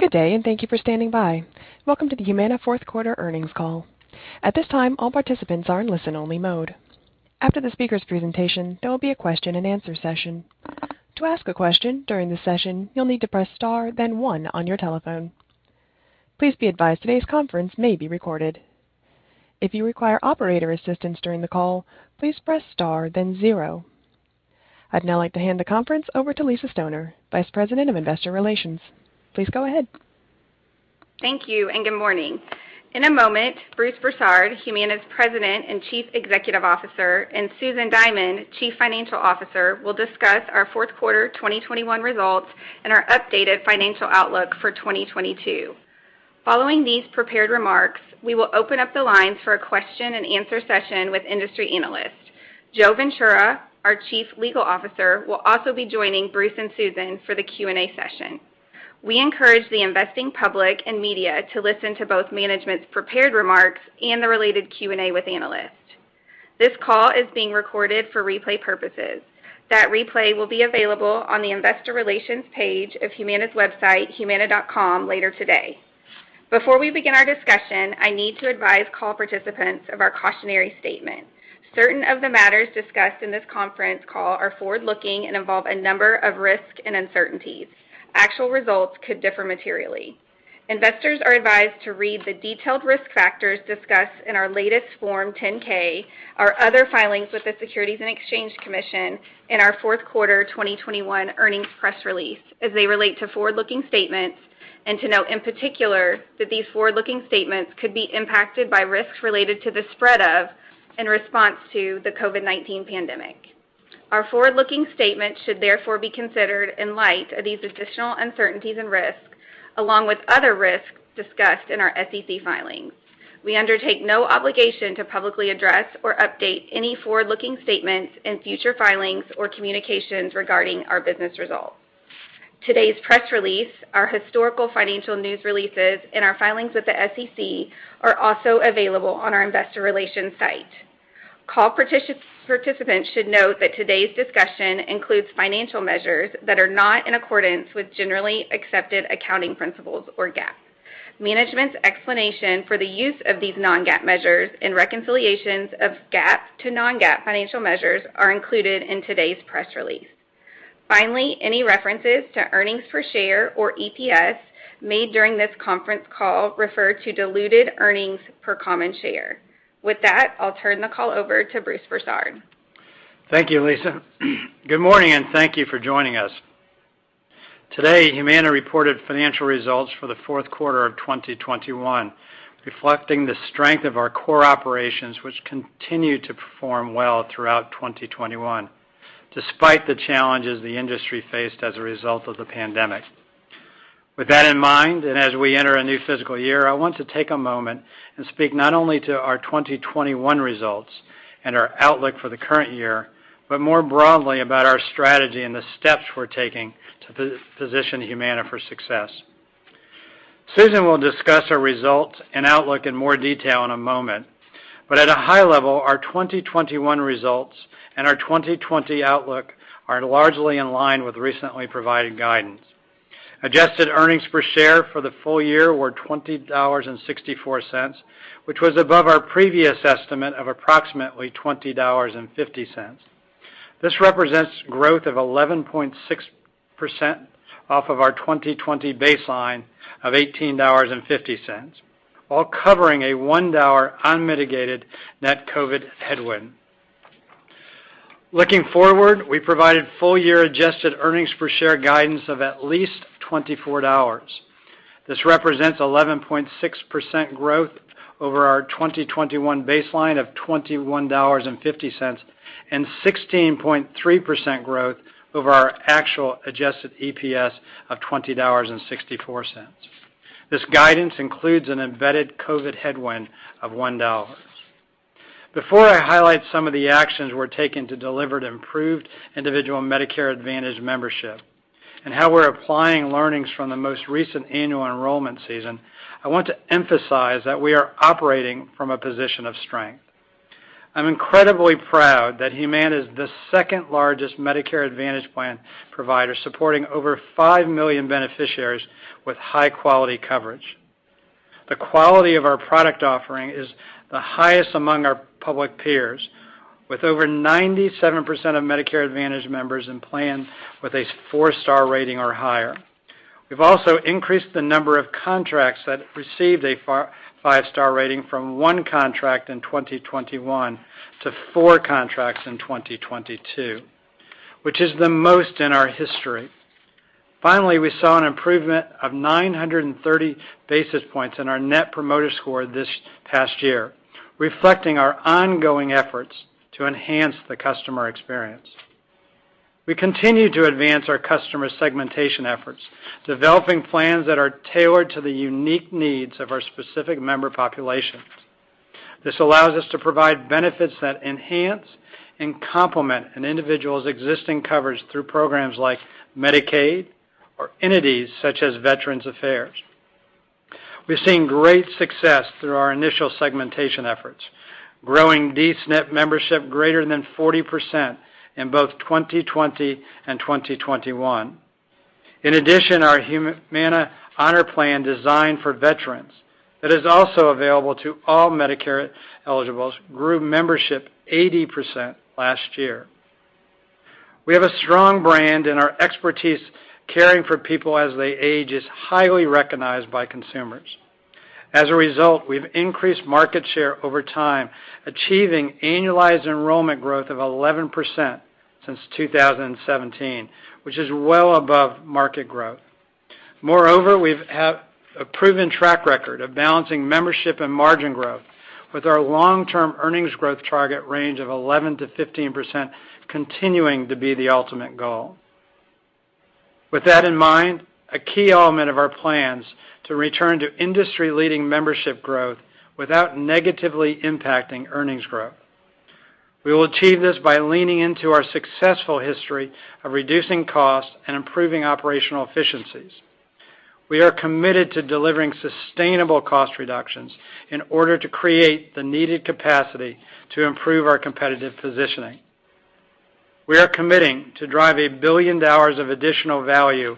Good day, and thank you for standing by. Welcome to the Humana fourth quarter earnings call. At this time, all participants are in listen-only mode. After the speaker's presentation, there will be a question-and-answer session. To ask a question during the session, you'll need to press star, then one on your telephone. Please be advised that today's conference may be recorded. If you require operator assistance during the call, please press star, then zero. I'd now like to hand the conference over to Lisa Stoner, Vice President of Investor Relations. Please go ahead. Thank you, and good morning. In a moment, Bruce Broussard, Humana's President and Chief Executive Officer, and Susan Diamond, Chief Financial Officer, will discuss our fourth quarter 2021 results and our updated financial outlook for 2022. Following these prepared remarks, we will open up the lines for a question-and-answer session with industry analysts. Joseph Ventura, our Chief Legal Officer, will also be joining Bruce and Susan for the Q&A session. We encourage the investing public and media to listen to both management's prepared remarks and the related Q&A with analysts. This call is being recorded for replay purposes. That replay will be available on the investor relations page of Humana's website, humana.com, later today. Before we begin our discussion, I need to advise call participants of our cautionary statement. Certain of the matters discussed in this conference call are forward-looking and involve a number of risks and uncertainties. Actual results could differ materially. Investors are advised to read the detailed risk factors discussed in our latest Form 10-K, our other filings with the Securities and Exchange Commission in our fourth quarter 2021 earnings press release, as they relate to forward-looking statements and to note, in particular, that these forward-looking statements could be impacted by risks related to the spread of, and in response to, the COVID-19 pandemic. Our forward-looking statements should therefore be considered in light of these additional uncertainties and risks, along with other risks discussed in our SEC filings. We undertake no obligation to publicly address or update any forward-looking statements in future filings or communications regarding our business results. Today's press release, our historical financial news releases, and our filings with the SEC are also available on our investor relations site. Call participants should note that today's discussion includes financial measures that are not in accordance with generally accepted accounting principles or GAAP. Management's explanation for the use of these non-GAAP measures and reconciliations of GAAP to non-GAAP financial measures are included in today's press release. Finally, any references to earnings per share or EPS made during this conference call refer to diluted earnings per common share. With that, I'll turn the call over to Bruce Broussard. Thank you, Lisa. Good morning, and thank you for joining us. Today, Humana reported financial results for the fourth quarter of 2021, reflecting the strength of our core operations, which continued to perform well throughout 2021, despite the challenges the industry faced as a result of the pandemic. With that in mind, and as we enter a new fiscal year, I want to take a moment and speak not only to our 2021 results and our outlook for the current year, but more broadly about our strategy and the steps we're taking to position Humana for success. Susan will discuss our results and outlook in more detail in a moment. At a high level, our 2021 results and our 2022 outlook are largely in line with recently provided guidance. Adjusted earnings per share for the full-year were $20.64, which was above our previous estimate of approximately $20.50. This represents growth of 11.6% off of our 2020 baseline of $18.50, while covering a $1 unmitigated net COVID headwind. Looking forward, we provided full-year adjusted earnings per share guidance of at least $24. This represents 11.6% growth over our 2021 baseline of $21.50 and 16.3% growth over our actual adjusted EPS of $20.64. This guidance includes an embedded COVID headwind of $1. Before I highlight some of the actions we're taking to deliver the improved individual Medicare Advantage membership and how we're applying learnings from the most recent annual enrollment season, I want to emphasize that we are operating from a position of strength. I'm incredibly proud that Humana is the second-largest Medicare Advantage plan provider, supporting over 5 million beneficiaries with high-quality coverage. The quality of our product offering is the highest among our public peers, with over 97% of Medicare Advantage members in plan with a four-star rating or higher. We've also increased the number of contracts that received a five-star rating from one contract in 2021 to four contracts in 2022, which is the most in our history. Finally, we saw an improvement of 930 basis points in our net promoter score this past year, reflecting our ongoing efforts to enhance the customer experience. We continue to advance our customer segmentation efforts, developing plans that are tailored to the unique needs of our specific member populations. This allows us to provide benefits that enhance and complement an individual's existing coverage through programs like Medicaid or entities such as Veterans Affairs. We've seen great success through our initial segmentation efforts, growing D-SNP membership greater than 40% in both 2020 and 2021. In addition, our Humana Honor Plan, designed for veterans that is also available to all Medicare eligibles grew membership 80% last year. We have a strong brand, and our expertise in caring for people as they age is highly recognized by consumers. As a result, we've increased market share over time, achieving annualized enrollment growth of 11% since 2017, which is well above market growth. Moreover, we have a proven track record of balancing membership and margin growth with our long-term earnings growth target range of 11%-15%, continuing to be the ultimate goal. With that in mind, a key element of our plans to return to industry-leading membership growth without negatively impacting earnings growth. We will achieve this by leaning into our successful history of reducing costs and improving operational efficiencies. We are committed to delivering sustainable cost reductions in order to create the needed capacity to improve our competitive positioning. We are committed to driving $1 billion of additional value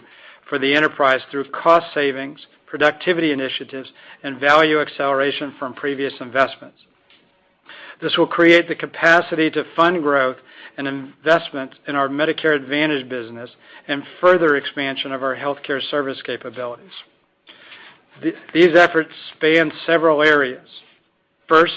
for the enterprise through cost savings, productivity initiatives, and value acceleration from previous investments. This will create the capacity to fund growth and investment in our Medicare Advantage business and further expansion of our healthcare service capabilities. These efforts span several areas. First,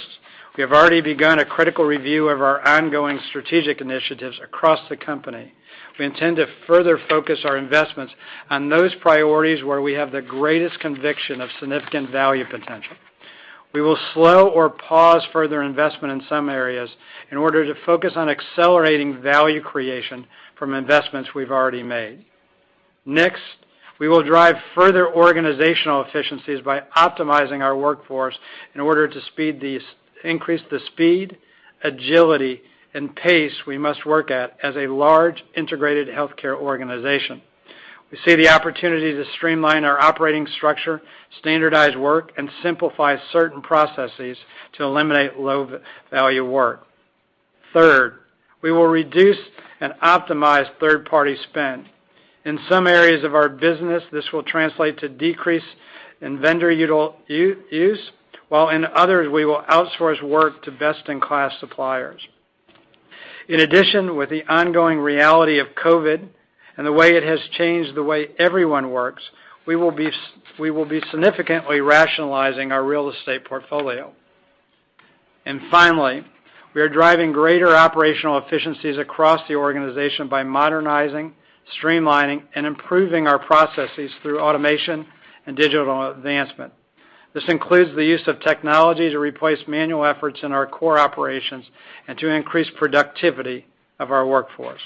we have already begun a critical review of our ongoing strategic initiatives across the company. We intend to further focus our investments on those priorities where we have the greatest conviction of significant value potential. We will slow or pause further investment in some areas in order to focus on accelerating value creation from investments we've already made. Next, we will drive further organizational efficiencies by optimizing our workforce in order to increase the speed, agility, and pace we must work at as a large integrated healthcare organization. We see the opportunity to streamline our operating structure, standardize work, and simplify certain processes to eliminate low-value work. Third, we will reduce and optimize third-party spend. In some areas of our business, this will translate to decrease in vendor utilization, while in others, we will outsource work to best-in-class suppliers. In addition, with the ongoing reality of COVID and the way it has changed the way everyone works, we will be significantly rationalizing our real estate portfolio. Finally, we are driving greater operational efficiencies across the organization by modernizing, streamlining, and improving our processes through automation and digital advancement. This includes the use of technology to replace manual efforts in our core operations and to increase the productivity of our workforce.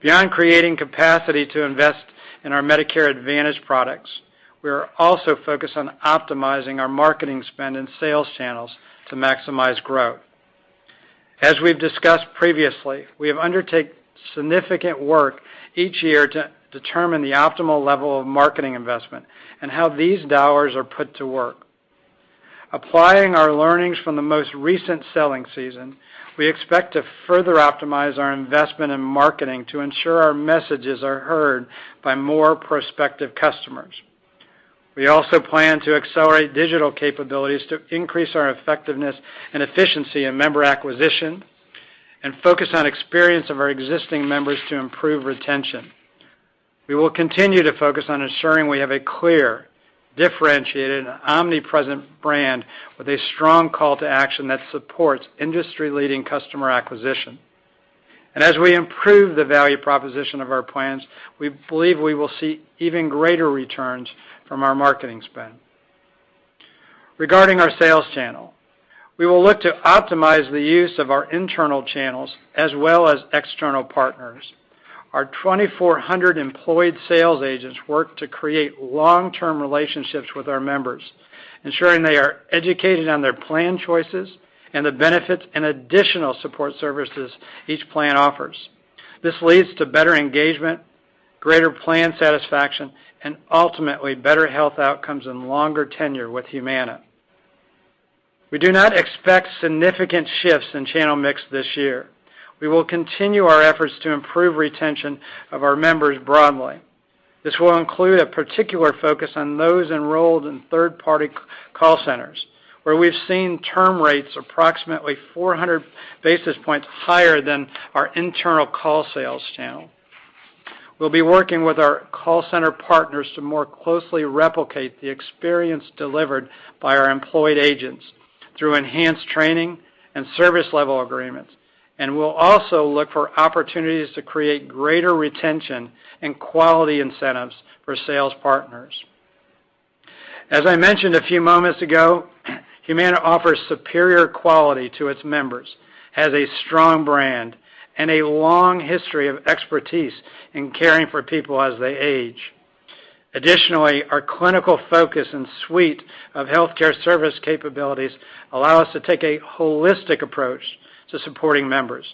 Beyond creating capacity to invest in our Medicare Advantage products, we are also focused on optimizing our marketing spend and sales channels to maximize growth. As we've discussed previously, we have undertaken significant work each year to determine the optimal level of marketing investment and how these dollars are put to work. Applying our learnings from the most recent selling season, we expect to further optimize our investment in marketing to ensure our messages are heard by more prospective customers. We also plan to accelerate digital capabilities to increase our effectiveness and efficiency in member acquisition and focus on experience of our existing members to improve retention. We will continue to focus on ensuring we have a clear, differentiated, and omnipresent brand with a strong call to action that supports industry-leading customer acquisition. As we improve the value proposition of our plans, we believe we will see even greater returns from our marketing spend. Regarding our sales channel, we will look to optimize the use of our internal channels as well as external partners. Our 2,400 employed sales agents work to create long-term relationships with our members, ensuring they are educated on their plan choices and the benefits and additional support services each plan offers. This leads to better engagement, greater plan satisfaction, and ultimately, better health outcomes and longer tenure with Humana. We do not expect significant shifts in channel mix this year. We will continue our efforts to improve the retention of our members broadly. This will include a particular focus on those enrolled in third-party call centers, where we've seen term rates approximately 400 basis points higher than our internal call sales channel. We'll be working with our call center partners to more closely replicate the experience delivered by our employed agents through enhanced training and service level agreements, and we'll also look for opportunities to create greater retention and quality incentives for sales partners. As I mentioned a few moments ago, Humana offers superior quality to its members, has a strong brand, and a long history of expertise in caring for people as they age. Additionally, our clinical focus and suite of healthcare service capabilities allow us to take a holistic approach to supporting members,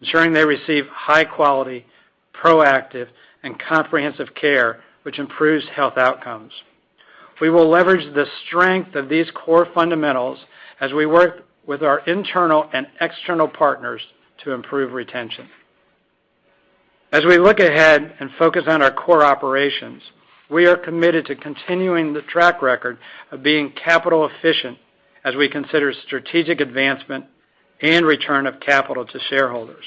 ensuring they receive high-quality, proactive, and comprehensive care, which improves health outcomes. We will leverage the strength of these core fundamentals as we work with our internal and external partners to improve retention. As we look ahead and focus on our core operations, we are committed to continuing the track record of being capital efficient as we consider strategic advancement and return of capital to shareholders.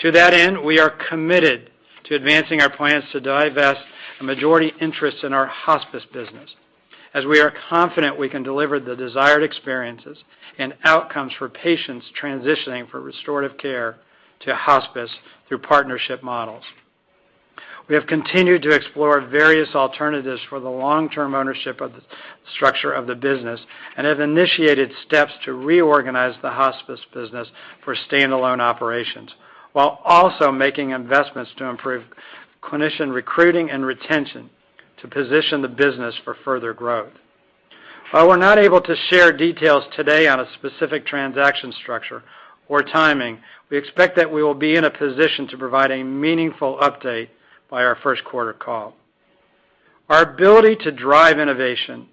To that end, we are committed to advancing our plans to divest a majority interest in our hospice business, as we are confident we can deliver the desired experiences and outcomes for patients transitioning from restorative care to hospice through partnership models. We have continued to explore various alternatives for the long-term ownership of the structure of the business and have initiated steps to reorganize the hospice business for standalone operations, while also making investments to improve clinician recruiting and retention to position the business for further growth. While we're not able to share details today on a specific transaction structure or timing, we expect that we will be in a position to provide a meaningful update by our first quarter call. Our ability to drive innovation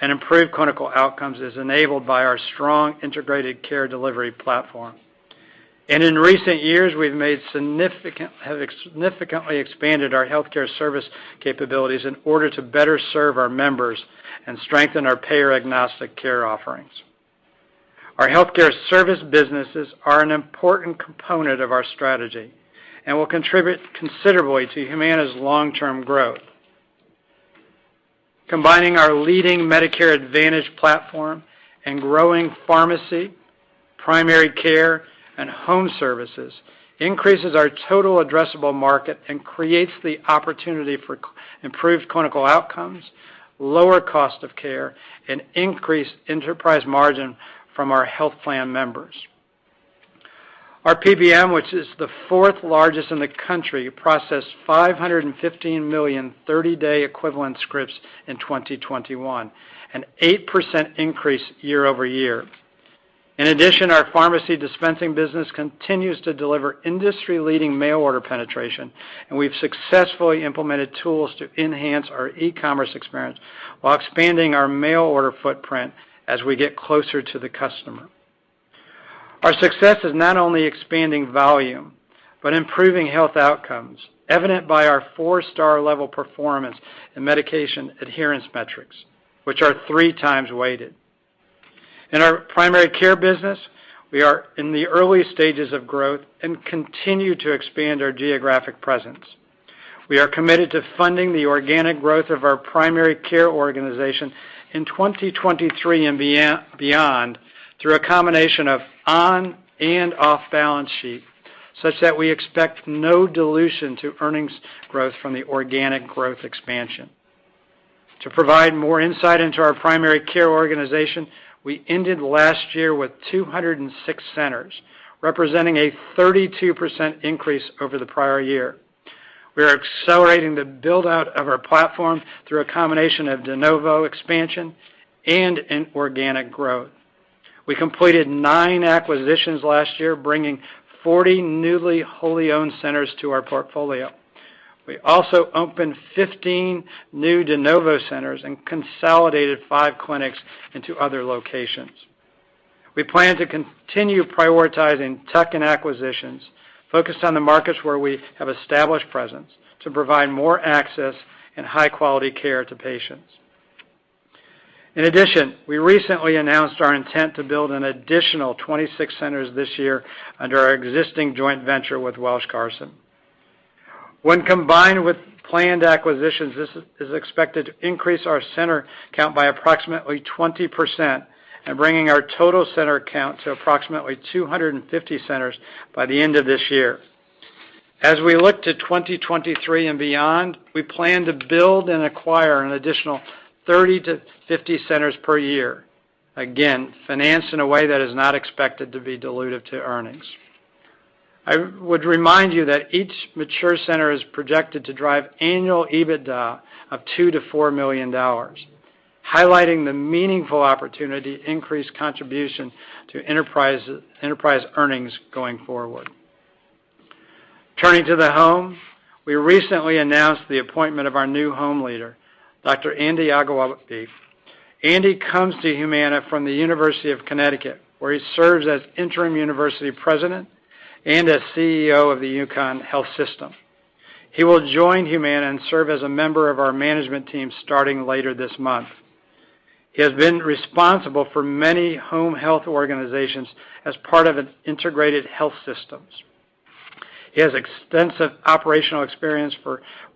and improve clinical outcomes is enabled by our strong integrated care delivery platform. In recent years, we've significantly expanded our healthcare service capabilities in order to better serve our members and strengthen our payer-agnostic care offerings. Our healthcare service businesses are an important component of our strategy and will contribute considerably to Humana's long-term growth. Combining our leading Medicare Advantage platform and growing pharmacy, primary care, and home services increases our total addressable market and creates the opportunity for improved clinical outcomes, lower cost of care, and increased enterprise margin from our health plan members. Our PBM, which is the fourth-largest in the country, processed 515 million thirty-day equivalent scripts in 2021, an 8% increase year-over-year. In addition, our pharmacy dispensing business continues to deliver industry-leading mail order penetration, and we've successfully implemented tools to enhance our e-commerce experience while expanding our mail order footprint as we get closer to the customer. Our success is not only expanding volume, but improving health outcomes, evident by our four-star level performance in medication adherence metrics, which are three times weighted. In our primary care business, we are in the early stages of growth and continue to expand our geographic presence. We are committed to funding the organic growth of our primary care organization in 2023 and beyond through a combination of on and off-balance sheet, such that we expect no dilution to earnings growth from the organic growth expansion. To provide more insight into our primary care organization, we ended last year with 206 centers, representing a 32% increase over the prior year. We are accelerating the build-out of our platform through a combination of de novo expansion and inorganic growth. We completed nine acquisitions last year, bringing 40 newly wholly-owned centers to our portfolio. We also opened 15 new de novo centers and consolidated five clinics into other locations. We plan to continue prioritizing tuck and acquisitions focused on the markets where we have established presence to provide more access and high-quality care to patients. In addition, we recently announced our intent to build an additional 26 centers this year under our existing joint venture with Welsh Carson. When combined with planned acquisitions, this is expected to increase our center count by approximately 20% and, bringing our total center count to approximately 250 centers by the end of this year. As we look to 2023 and beyond, we plan to build and acquire an additional 30-50 centers per year. Again, financed in a way that is not expected to be dilutive to earnings. I would remind you that each mature center is projected to drive annual EBITDA of $2 million-$4 million, highlighting the meaningful opportunity to increase contribution to enterprise earnings going forward. Turning to the home. We recently announced the appointment of our new home leader, Dr. Andy Agwunobi. Andy comes to Humana from the University of Connecticut, where he serves as interim university president and as CEO of the UConn Health system. He will join Humana and serve as a member of our management team starting later this month. He has been responsible for many home health organizations as part of an integrated health systems. He has extensive operational experience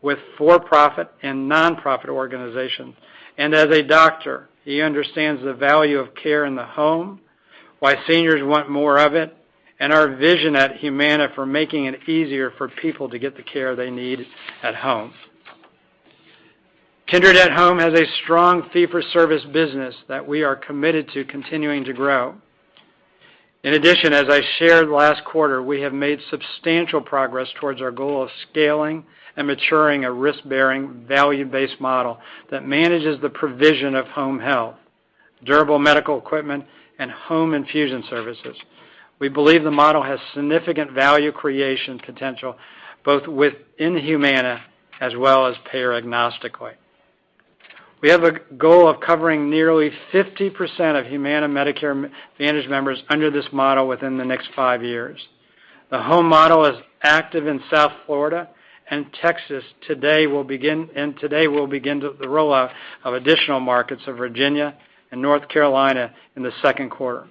with for-profit and non-profit organizations. As a doctor, he understands the value of care in the home, why seniors want more of it, and our vision at Humana for making it easier for people to get the care they need at home. Kindred at Home has a strong fee-for-service business that we are committed to continuing to grow. In addition, as I shared last quarter, we have made substantial progress towards our goal of scaling and maturing a risk-bearing, value-based model that manages the provision of home health, durable medical equipment, and home infusion services. We believe the model has significant value creation potential both within Humana as well as payer agnostically. We have a goal of covering nearly 50% of Humana Medicare Advantage members under this model within the next five years. The home model is active in South Florida and Texas today, and will begin the rollout of additional markets, Virginia and North Carolina, in the second quarter,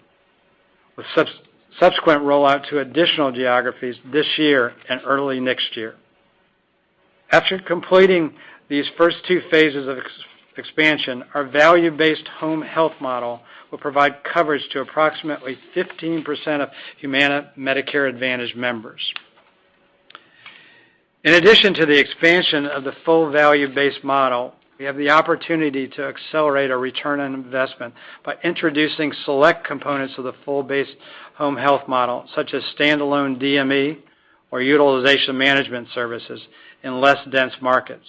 with subsequent rollout to additional geographies this year and early next year. After completing these first two phases of expansion, our value-based home health model will provide coverage to approximately 15% of Humana Medicare Advantage members. In addition to the expansion of the full value-based model, we have the opportunity to accelerate our return on investment by introducing select components of the value-based home health model, such as standalone DME or utilization management services in less-dense markets.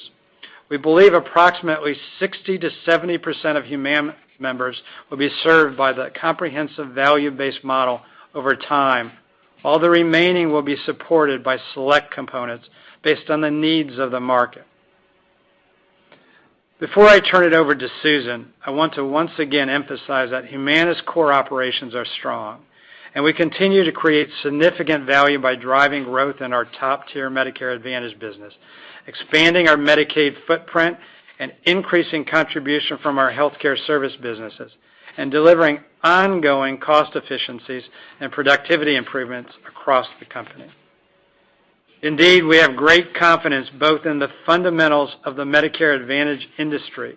We believe approximately 60%-70% of Humana members will be served by the comprehensive value-based model over time. All the remaining will be supported by select components based on the needs of the market. Before I turn it over to Susan, I want to once again emphasize that Humana's core operations are strong, and we continue to create significant value by driving growth in our top-tier Medicare Advantage business, expanding our Medicaid footprint, and increasing contributions from our healthcare service businesses, and delivering ongoing cost efficiencies and productivity improvements across the company. Indeed, we have great confidence both in the fundamentals of the Medicare Advantage industry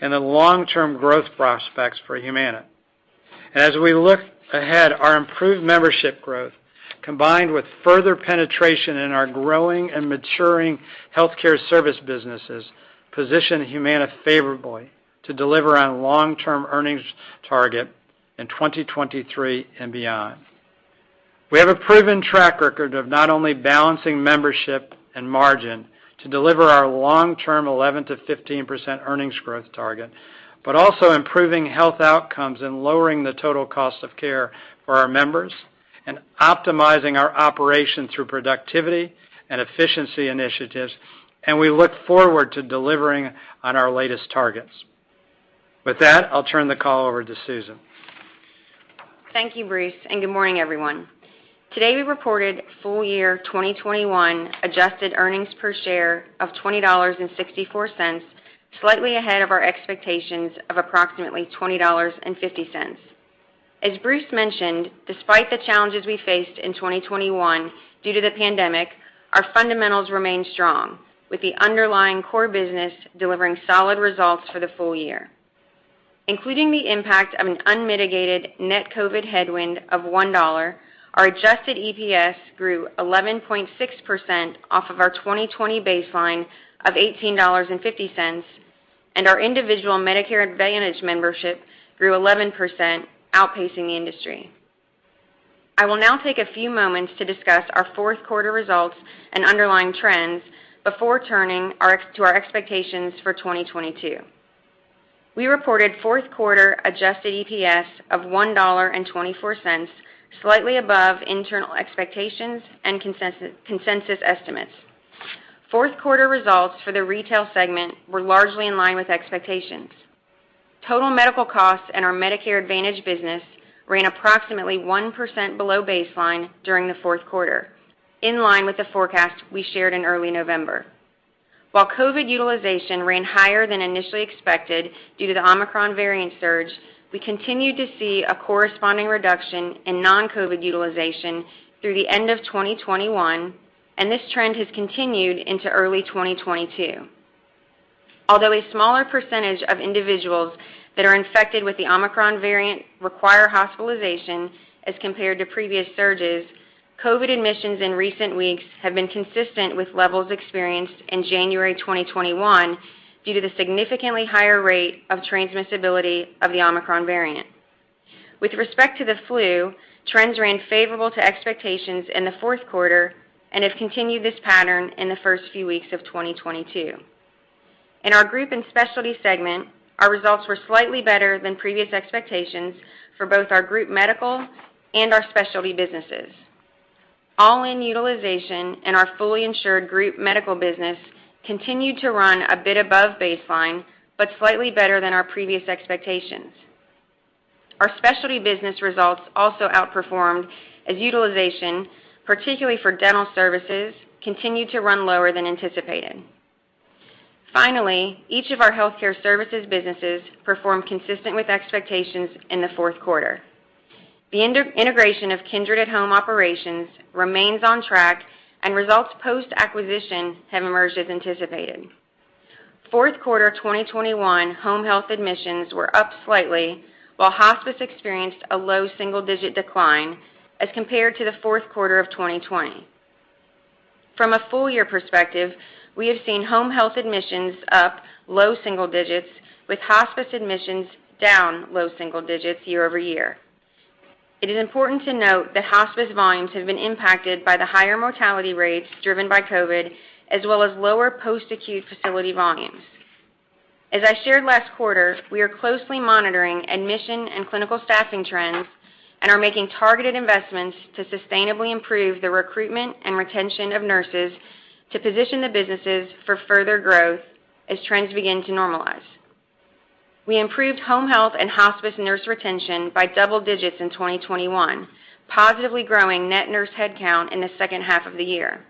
and the long-term growth prospects for Humana. As we look ahead, our improved membership growth, combined with further penetration in our growing and maturing healthcare service businesses, position Humana favorably to deliver on long-term earnings target in 2023 and beyond. We have a proven track record of not only balancing membership and margin to deliver our long-term 11%-15% earnings growth target, but also improving health outcomes and lowering the total cost of care for our members, and optimizing our operation through productivity and efficiency initiatives, and we look forward to delivering on our latest targets. With that, I'll turn the call over to Susan. Thank you, Bruce, and good morning, everyone. Today, we reported full-year 2021 adjusted earnings per share of $20.64, slightly ahead of our expectations of approximately $20.50. As Bruce mentioned, despite the challenges we faced in 2021 due to the pandemic, our fundamentals remain strong, with the underlying core business delivering solid results for the full-year. Including the impact of an unmitigated net COVID headwind of $1, our adjusted EPS grew 11.6% off of our 2020 baseline of $18.50, and our individual Medicare Advantage membership grew 11%, outpacing the industry. I will now take a few moments to discuss our fourth quarter results and underlying trends before turning to our expectations for 2022. We reported fourth quarter adjusted EPS of $1.24, slightly above internal expectations and consensus estimates. Fourth quarter results for the retail segment were largely in line with expectations. Total medical costs in our Medicare Advantage business ran approximately 1% below baseline during the fourth quarter, in line with the forecast we shared in early November. While COVID utilization ran higher than initially expected due to the Omicron variant surge, we continued to see a corresponding reduction in non-COVID utilization through the end of 2021, and this trend has continued into early 2022. Although a smaller percentage of individuals that are infected with the Omicron variant require hospitalization as compared to previous surges, COVID admissions in recent weeks have been consistent with levels experienced in January 2021 due to the significantly higher rate of transmissibility of the Omicron variant. With respect to the flu, trends ran favorable to expectations in the fourth quarter and have continued this pattern in the first few weeks of 2022. In our group and specialty segment, our results were slightly better than previous expectations for both our group medical and our specialty businesses. All-in utilization in our fully insured group medical business continued to run a bit above baseline, but slightly better than our previous expectations. Our specialty business results also outperformed, as utilization, particularly for dental services, continued to run lower than anticipated. Finally, each of our healthcare services businesses performed consistently with expectations in the fourth quarter. The integration of Kindred at Home operations remains on track, and results post-acquisition have emerged as anticipated. Fourth quarter of 2021 home health admissions were up slightly, while hospice experienced a low single-digit decline as compared to the fourth quarter of 2020. From a full-year perspective, we have seen home health admissions up low single-digits, with hospice admissions down low single-digits year-over-year. It is important to note that hospice volumes have been impacted by the higher mortality rates driven by COVID, as well as lower post-acute facility volumes. As I shared last quarter, we are closely monitoring admission and clinical staffing trends and are making targeted investments to sustainably improve the recruitment and retention of nurses to position the businesses for further growth as trends begin to normalize. We improved home health and hospice nurse retention by double-digits in 2021, positively growing net nurse headcount in the second half of the year.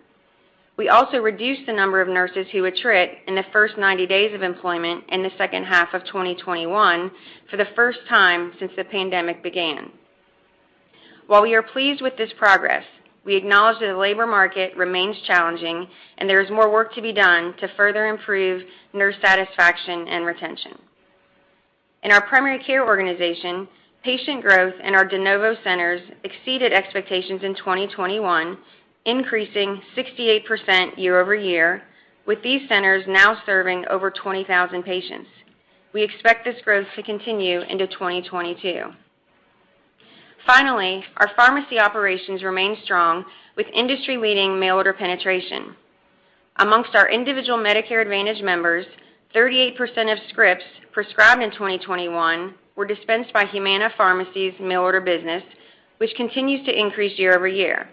We also reduced the number of nurses who attrit in the first 90 days of employment in the second half of 2021 for the first time since the pandemic began. While we are pleased with this progress, we acknowledge that the labor market remains challenging and there is more work to be done to further improve nurse satisfaction and retention. In our primary care organization, patient growth in our de novo centers exceeded expectations in 2021, increasing 68% year-over-year, with these centers now serving over 20,000 patients. We expect this growth to continue into 2022. Finally, our pharmacy operations remain strong with industry-leading mail order penetration. Amongst our individual Medicare Advantage members, 38% of scripts prescribed in 2021 were dispensed by Humana Pharmacy's mail order business, which continues to increase year-over-year.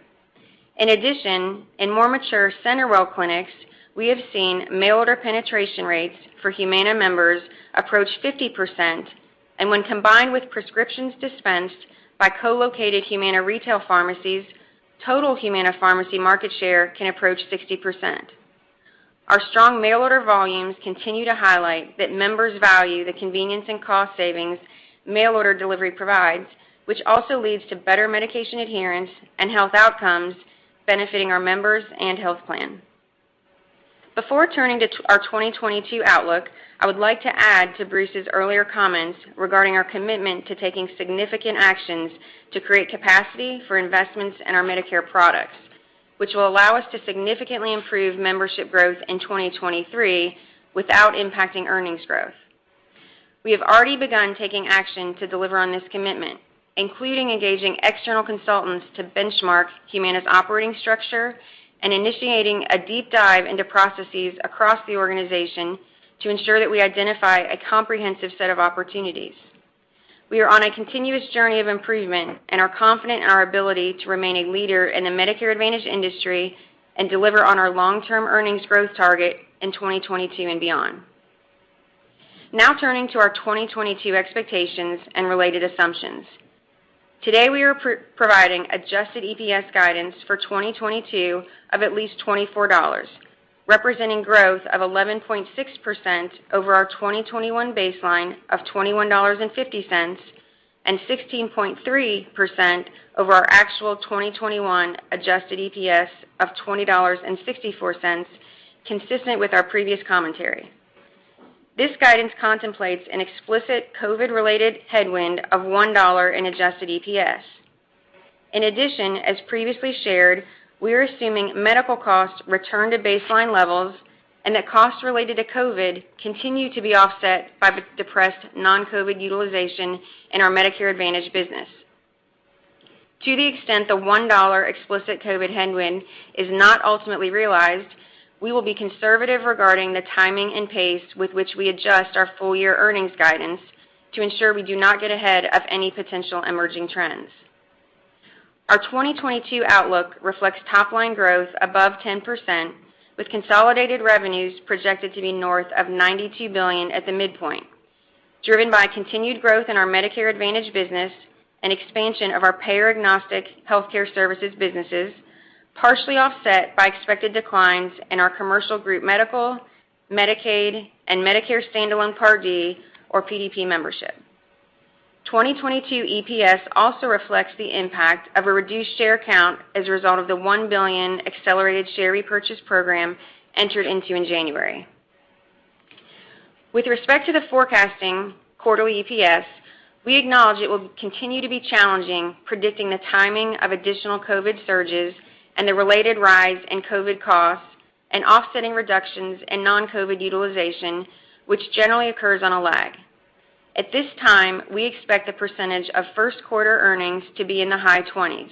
In addition, in more mature CenterWell clinics, we have seen mail order penetration rates for Humana members approach 50%, and when combined with prescriptions dispensed by co-located Humana retail pharmacies, total Humana pharmacy market share can approach 60%. Our strong mail order volumes continue to highlight that members value the convenience and cost savings mail order delivery provides, which also leads to better medication adherence and health outcomes benefiting our members and health plan. Before turning to our 2022 outlook, I would like to add to Bruce's earlier comments regarding our commitment to taking significant actions to create capacity for investments in our Medicare products, which will allow us to significantly improve membership growth in 2023 without impacting earnings growth. We have already begun taking action to deliver on this commitment, including engaging external consultants to benchmark Humana's operating structure and initiating a deep dive into processes across the organization to ensure that we identify a comprehensive set of opportunities. We are on a continuous journey of improvement and are confident in our ability to remain a leader in the Medicare Advantage industry and deliver on our long-term earnings growth target in 2022 and beyond. Now turning to our 2022 expectations and related assumptions. Today, we are providing adjusted EPS guidance for 2022 of at least $24, representing growth of 11.6% over our 2021 baseline of $21.50 and 16.3% over our actual 2021 adjusted EPS of $20.64, consistent with our previous commentary. This guidance contemplates an explicit COVID-related headwind of $1 in adjusted EPS. In addition, as previously shared, we are assuming medical costs return to baseline levels and that costs related to COVID continue to be offset by the depressed non-COVID utilization in our Medicare Advantage business. To the extent the $1 explicit COVID headwind is not ultimately realized, we will be conservative regarding the timing and pace with which we adjust our full-year earnings guidance to ensure we do not get ahead of any potential emerging trends. Our 2022 outlook reflects top-line growth above 10% with consolidated revenues projected to be north of $92 billion at the midpoint, driven by continued growth in our Medicare Advantage business and expansion of our payer-agnostic healthcare services businesses, partially offset by expected declines in our commercial group medical, Medicaid, and Medicare standalone Part D or PDP membership. 2022 EPS also reflects the impact of a reduced share count as a result of the $1 billion accelerated share repurchase program entered into in January. With respect to forecasting quarterly EPS, we acknowledge it will continue to be challenging predicting the timing of additional COVID surges and the related rise in COVID costs, and offsetting reductions in non-COVID utilization, which generally occur on a lag. At this time, we expect the percentage of first quarter earnings to be in the high 20s%.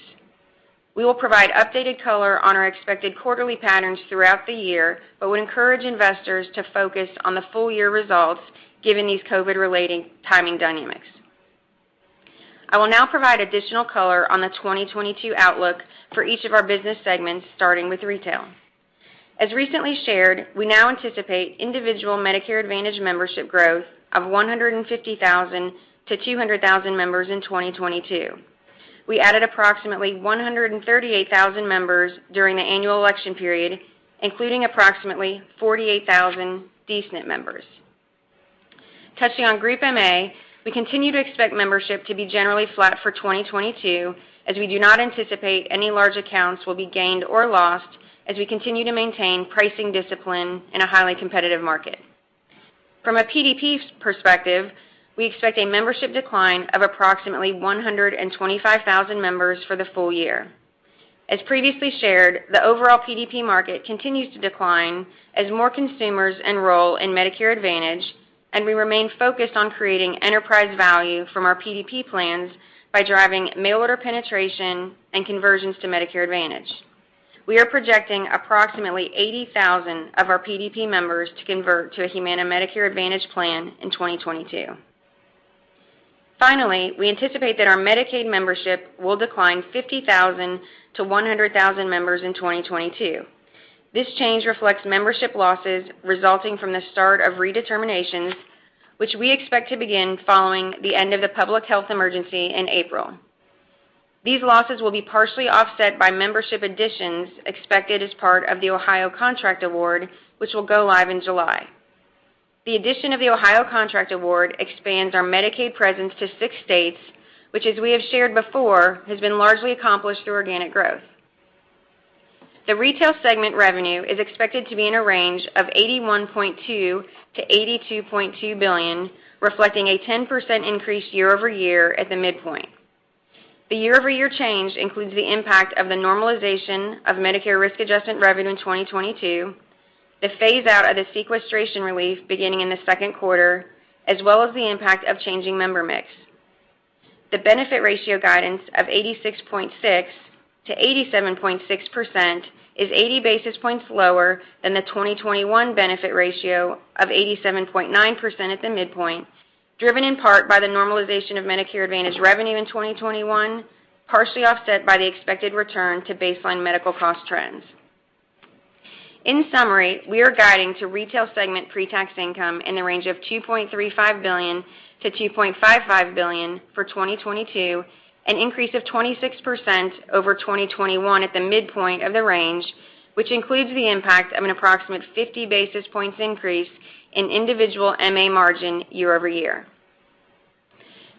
We will provide updated color on our expected quarterly patterns throughout the year, but would encourage investors to focus on the full-year results given these COVID-related timing dynamics. I will now provide additional color on the 2022 outlook for each of our business segments, starting with Retail. As recently shared, we now anticipate individual Medicare Advantage membership growth of 150,000-200,000 members in 2022. We added approximately 138,000 members during the annual election period, including approximately 48,000 D-SNP members. Touching on Group MA, we continue to expect membership to be generally flat for 2022, as we do not anticipate any large accounts will be gained or lost as we continue to maintain pricing discipline in a highly competitive market. From a PDP's perspective, we expect a membership decline of approximately 125,000 members for the full-year. As previously shared, the overall PDP market continues to decline as more consumers enroll in Medicare Advantage, and we remain focused on creating enterprise value from our PDP plans by driving mail order penetration and conversions to Medicare Advantage. We are projecting approximately 80,000 of our PDP members to convert to a Humana Medicare Advantage plan in 2022. Finally, we anticipate that our Medicaid membership will decline 50,000-100,000 members in 2022. This change reflects membership losses resulting from the start of redeterminations, which we expect to begin following the end of the public health emergency in April. These losses will be partially offset by membership additions expected as part of the Ohio contract award, which will go live in July. The addition of the Ohio contract award expands our Medicaid presence to six states, which as we have shared before, has been largely accomplished through organic growth. The retail segment revenue is expected to be in a range of $81.2 billion-$82.2 billion, reflecting a 10% increase year-over-year at the midpoint. The year-over-year change includes the impact of the normalization of Medicare risk adjustment revenue in 2022, the phase-out of the sequestration relief beginning in the second quarter, as well as the impact of changing member mix. The benefit ratio guidance of 86.6%-87.6% is 80 basis points lower than the 2021 benefit ratio of 87.9% at the midpoint, driven in part by the normalization of Medicare Advantage revenue in 2021, partially offset by the expected return to baseline medical cost trends. In summary, we are guiding to Retail segment pre-tax income in the range of $2.35 billion-$2.55 billion for 2022, an increase of 26% over 2021 at the midpoint of the range, which includes the impact of an approximate 50 basis points increase in individual MA margin year-over-year.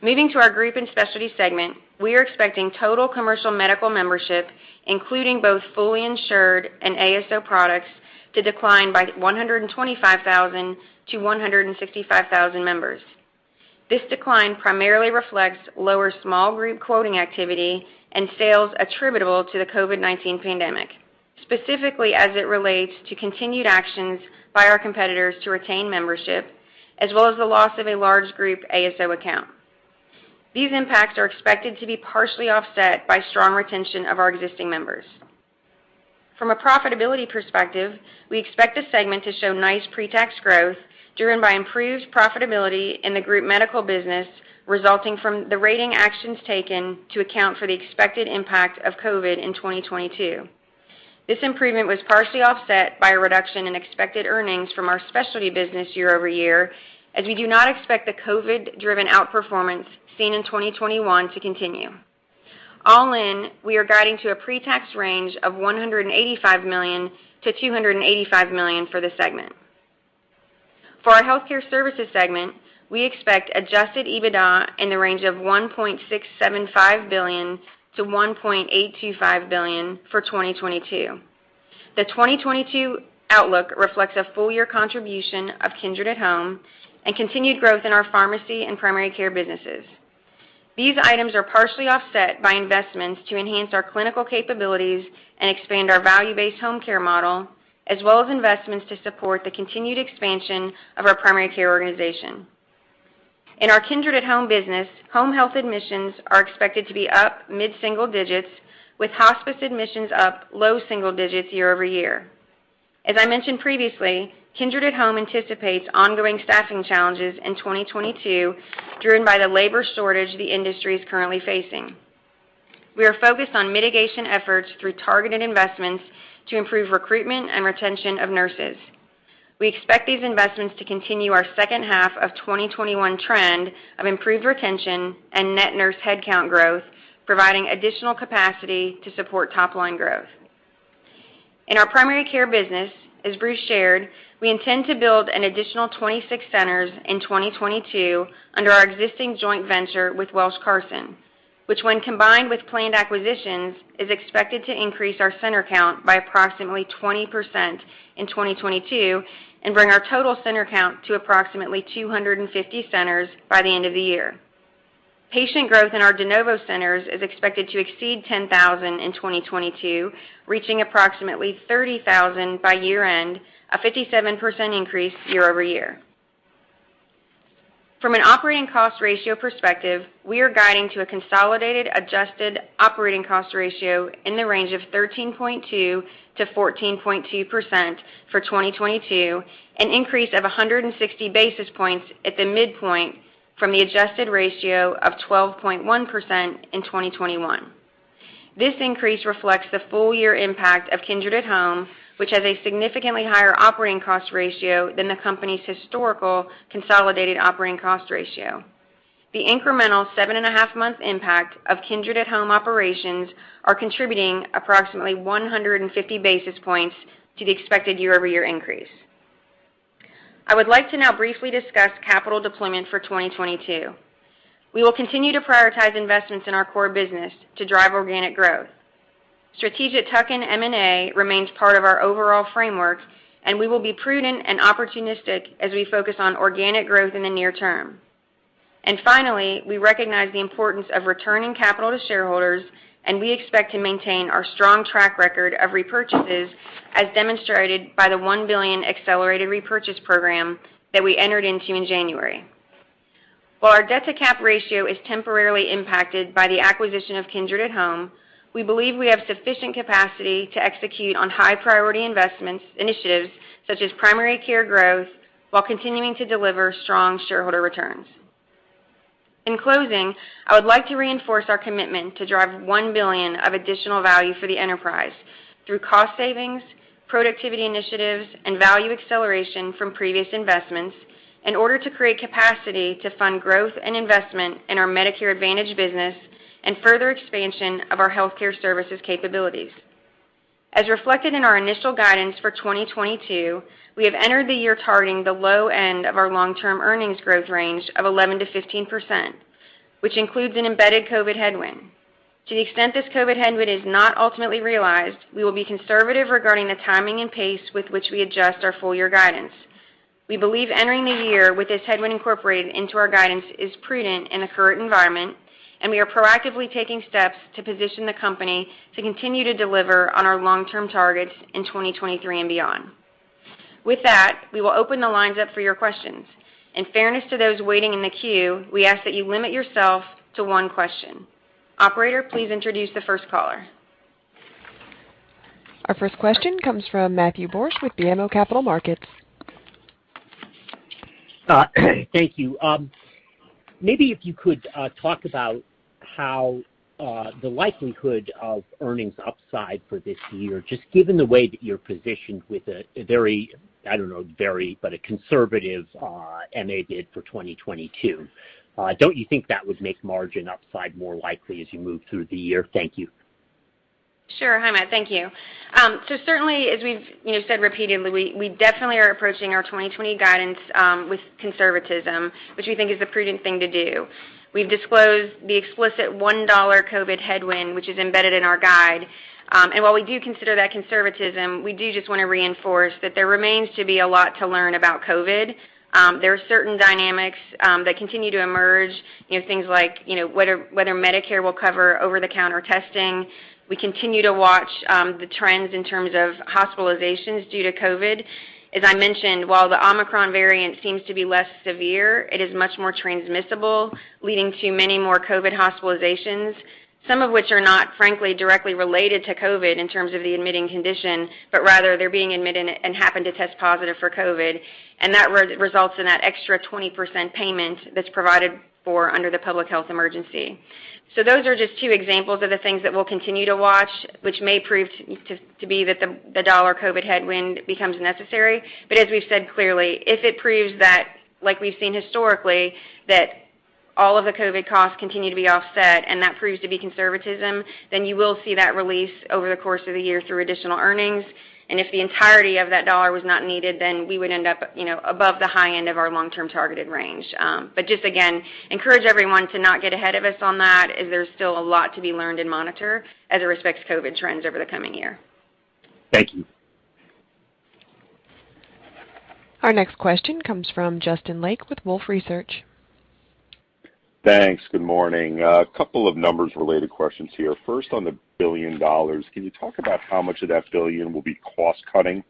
Moving to our Group and Specialty segment, we are expecting total commercial medical membership, including both fully insured and ASO products, to decline by 125,000-165,000 members. This decline primarily reflects lower small group quoting activity and sales attributable to the COVID-19 pandemic, specifically as it relates to continued actions by our competitors to retain membership, as well as the loss of a large group ASO account. These impacts are expected to be partially offset by strong retention of our existing members. From a profitability perspective, we expect this segment to show nice pretax growth driven by improved profitability in the group medical business, Resulting from the rating actions taken to account for the expected impact of COVID in 2022. This improvement was partially offset by a reduction in expected earnings from our specialty business year-over-year, as we do not expect the COVID-driven outperformance seen in 2021 to continue. All in, we are guiding to a pretax range of $185 million-$285 million for the segment. For our healthcare services segment, we expect adjusted EBITDA in the range of $1.675 billion-$1.825 billion for 2022. The 2022 outlook reflects a full-year contribution of Kindred at Home and continued growth in our pharmacy and primary care businesses. These items are partially offset by investments to enhance our clinical capabilities and expand our value-based home care model, as well as investments to support the continued expansion of our primary care organization. In our Kindred at Home business, home health admissions are expected to be up mid-single-digits, with hospice admissions up low single-digits year-over-year. As I mentioned previously, Kindred at Home anticipates ongoing staffing challenges in 2022, driven by the labor shortage the industry is currently facing. We are focused on mitigation efforts through targeted investments to improve recruitment and retention of nurses. We expect these investments to continue our second half of 2021 trend of improved retention and net nurse headcount growth, providing additional capacity to support top-line growth. In our primary care business, as Bruce shared, we intend to build an additional 26 centers in 2022 under our existing joint venture with Welsh Carson, which when combined with planned acquisitions, is expected to increase our center count by approximately 20% in 2022 and bring our total center count to approximately 250 centers by the end of the year. Patient growth in our de novo centers is expected to exceed 10,000 in 2022, reaching approximately 30,000 by year-end, a 57% increase year-over-year. From an operating cost ratio perspective, we are guiding to a consolidated adjusted operating cost ratio in the range of 13.2%-14.2% for 2022, an increase of 160 basis points at the midpoint from the adjusted ratio of 12.1% in 2021. This increase reflects the full-year impact of Kindred at Home, which has a significantly higher operating cost ratio than the company's historical consolidated operating cost ratio. The incremental seven-and-a-half-month impact of Kindred at Home operations are contributing approximately 150 basis points to the expected year-over-year increase. I would like to now briefly discuss capital deployment for 2022. We will continue to prioritize investments in our core business to drive organic growth. Strategic tuck-in M&A remains part of our overall framework, and we will be prudent and opportunistic as we focus on organic growth in the near term. Finally, we recognize the importance of returning capital to shareholders, and we expect to maintain our strong track record of repurchases, as demonstrated by the $1 billion accelerated repurchase program that we entered into in January. While our debt-to-cap ratio is temporarily impacted by the acquisition of Kindred at Home, we believe we have sufficient capacity to execute on high-priority investment initiatives, such as primary care growth, while continuing to deliver strong shareholder returns. In closing, I would like to reinforce our commitment to drive $1 billion of additional value for the enterprise through cost savings, productivity initiatives, and value acceleration from previous investments in order to create capacity to fund growth and investment in our Medicare Advantage business and further expansion of our healthcare services capabilities. As reflected in our initial guidance for 2022, we have entered the year targeting the low end of our long-term earnings growth range of 11%-15%, which includes an embedded COVID headwind. To the extent this COVID headwind is not ultimately realized, we will be conservative regarding the timing and pace with which we adjust our full-year guidance. We believe entering the year with this headwind incorporated into our guidance is prudent in the current environment, and we are proactively taking steps to position the company to continue to deliver on our long-term targets in 2023 and beyond. With that, we will open the lines up for your questions. In fairness to those waiting in the queue, we ask that you limit yourself to one question. Operator, please introduce the first caller. Our first question comes from Matthew Borsch with BMO Capital Markets. Thank you. Maybe if you could talk about how the likelihood of earnings upside for this year, just given the way that you're positioned with a very conservative M&A bid for 2022. Don't you think that would make margin upside more likely as you move through the year? Thank you. Sure. Hi, Matt. Thank you. So certainly, as we've, you know, said repeatedly, we definitely are approaching our 2020 guidance with conservatism, which we think is the prudent thing to do. We've disclosed the explicit $1 COVID headwind, which is embedded in our guide. While we do consider that conservatism, we do just wanna reinforce that there remains to be a lot to learn about COVID. There are certain dynamics that continue to emerge, you know, things like, you know, whether Medicare will cover over-the-counter testing. We continue to watch the trends in terms of hospitalizations due to COVID. As I mentioned, while the Omicron variant seems to be less severe, it is much more transmissible, leading to many more COVID hospitalizations, some of which are not, frankly, directly related to COVID in terms of the admitting condition, but rather they're being admitted and happen to test positive for COVID, and that results in that extra 20% payment that's provided for under the public health emergency. Those are just two examples of the things that we'll continue to watch, which may prove to be that the dollar COVID headwind becomes necessary. As we've said clearly, if it proves that, like we've seen historically, that all of the COVID costs continue to be offset and that proves to be conservatism, then you will see that release over the course of the year through additional earnings. If the entirety of that dollar was not needed, then we would end up, you know, above the high end of our long-term targeted range. Just again, encourage everyone to not get ahead of us on that, as there's still a lot to be learned and monitored with respect to COVID trends over the coming year. Thank you. Our next question comes from Justin Lake with Wolfe Research. Thanks. Good morning. A couple of numbers-related questions here. First, on the $1 billion, can you talk about how much of that billion will be cost-cutting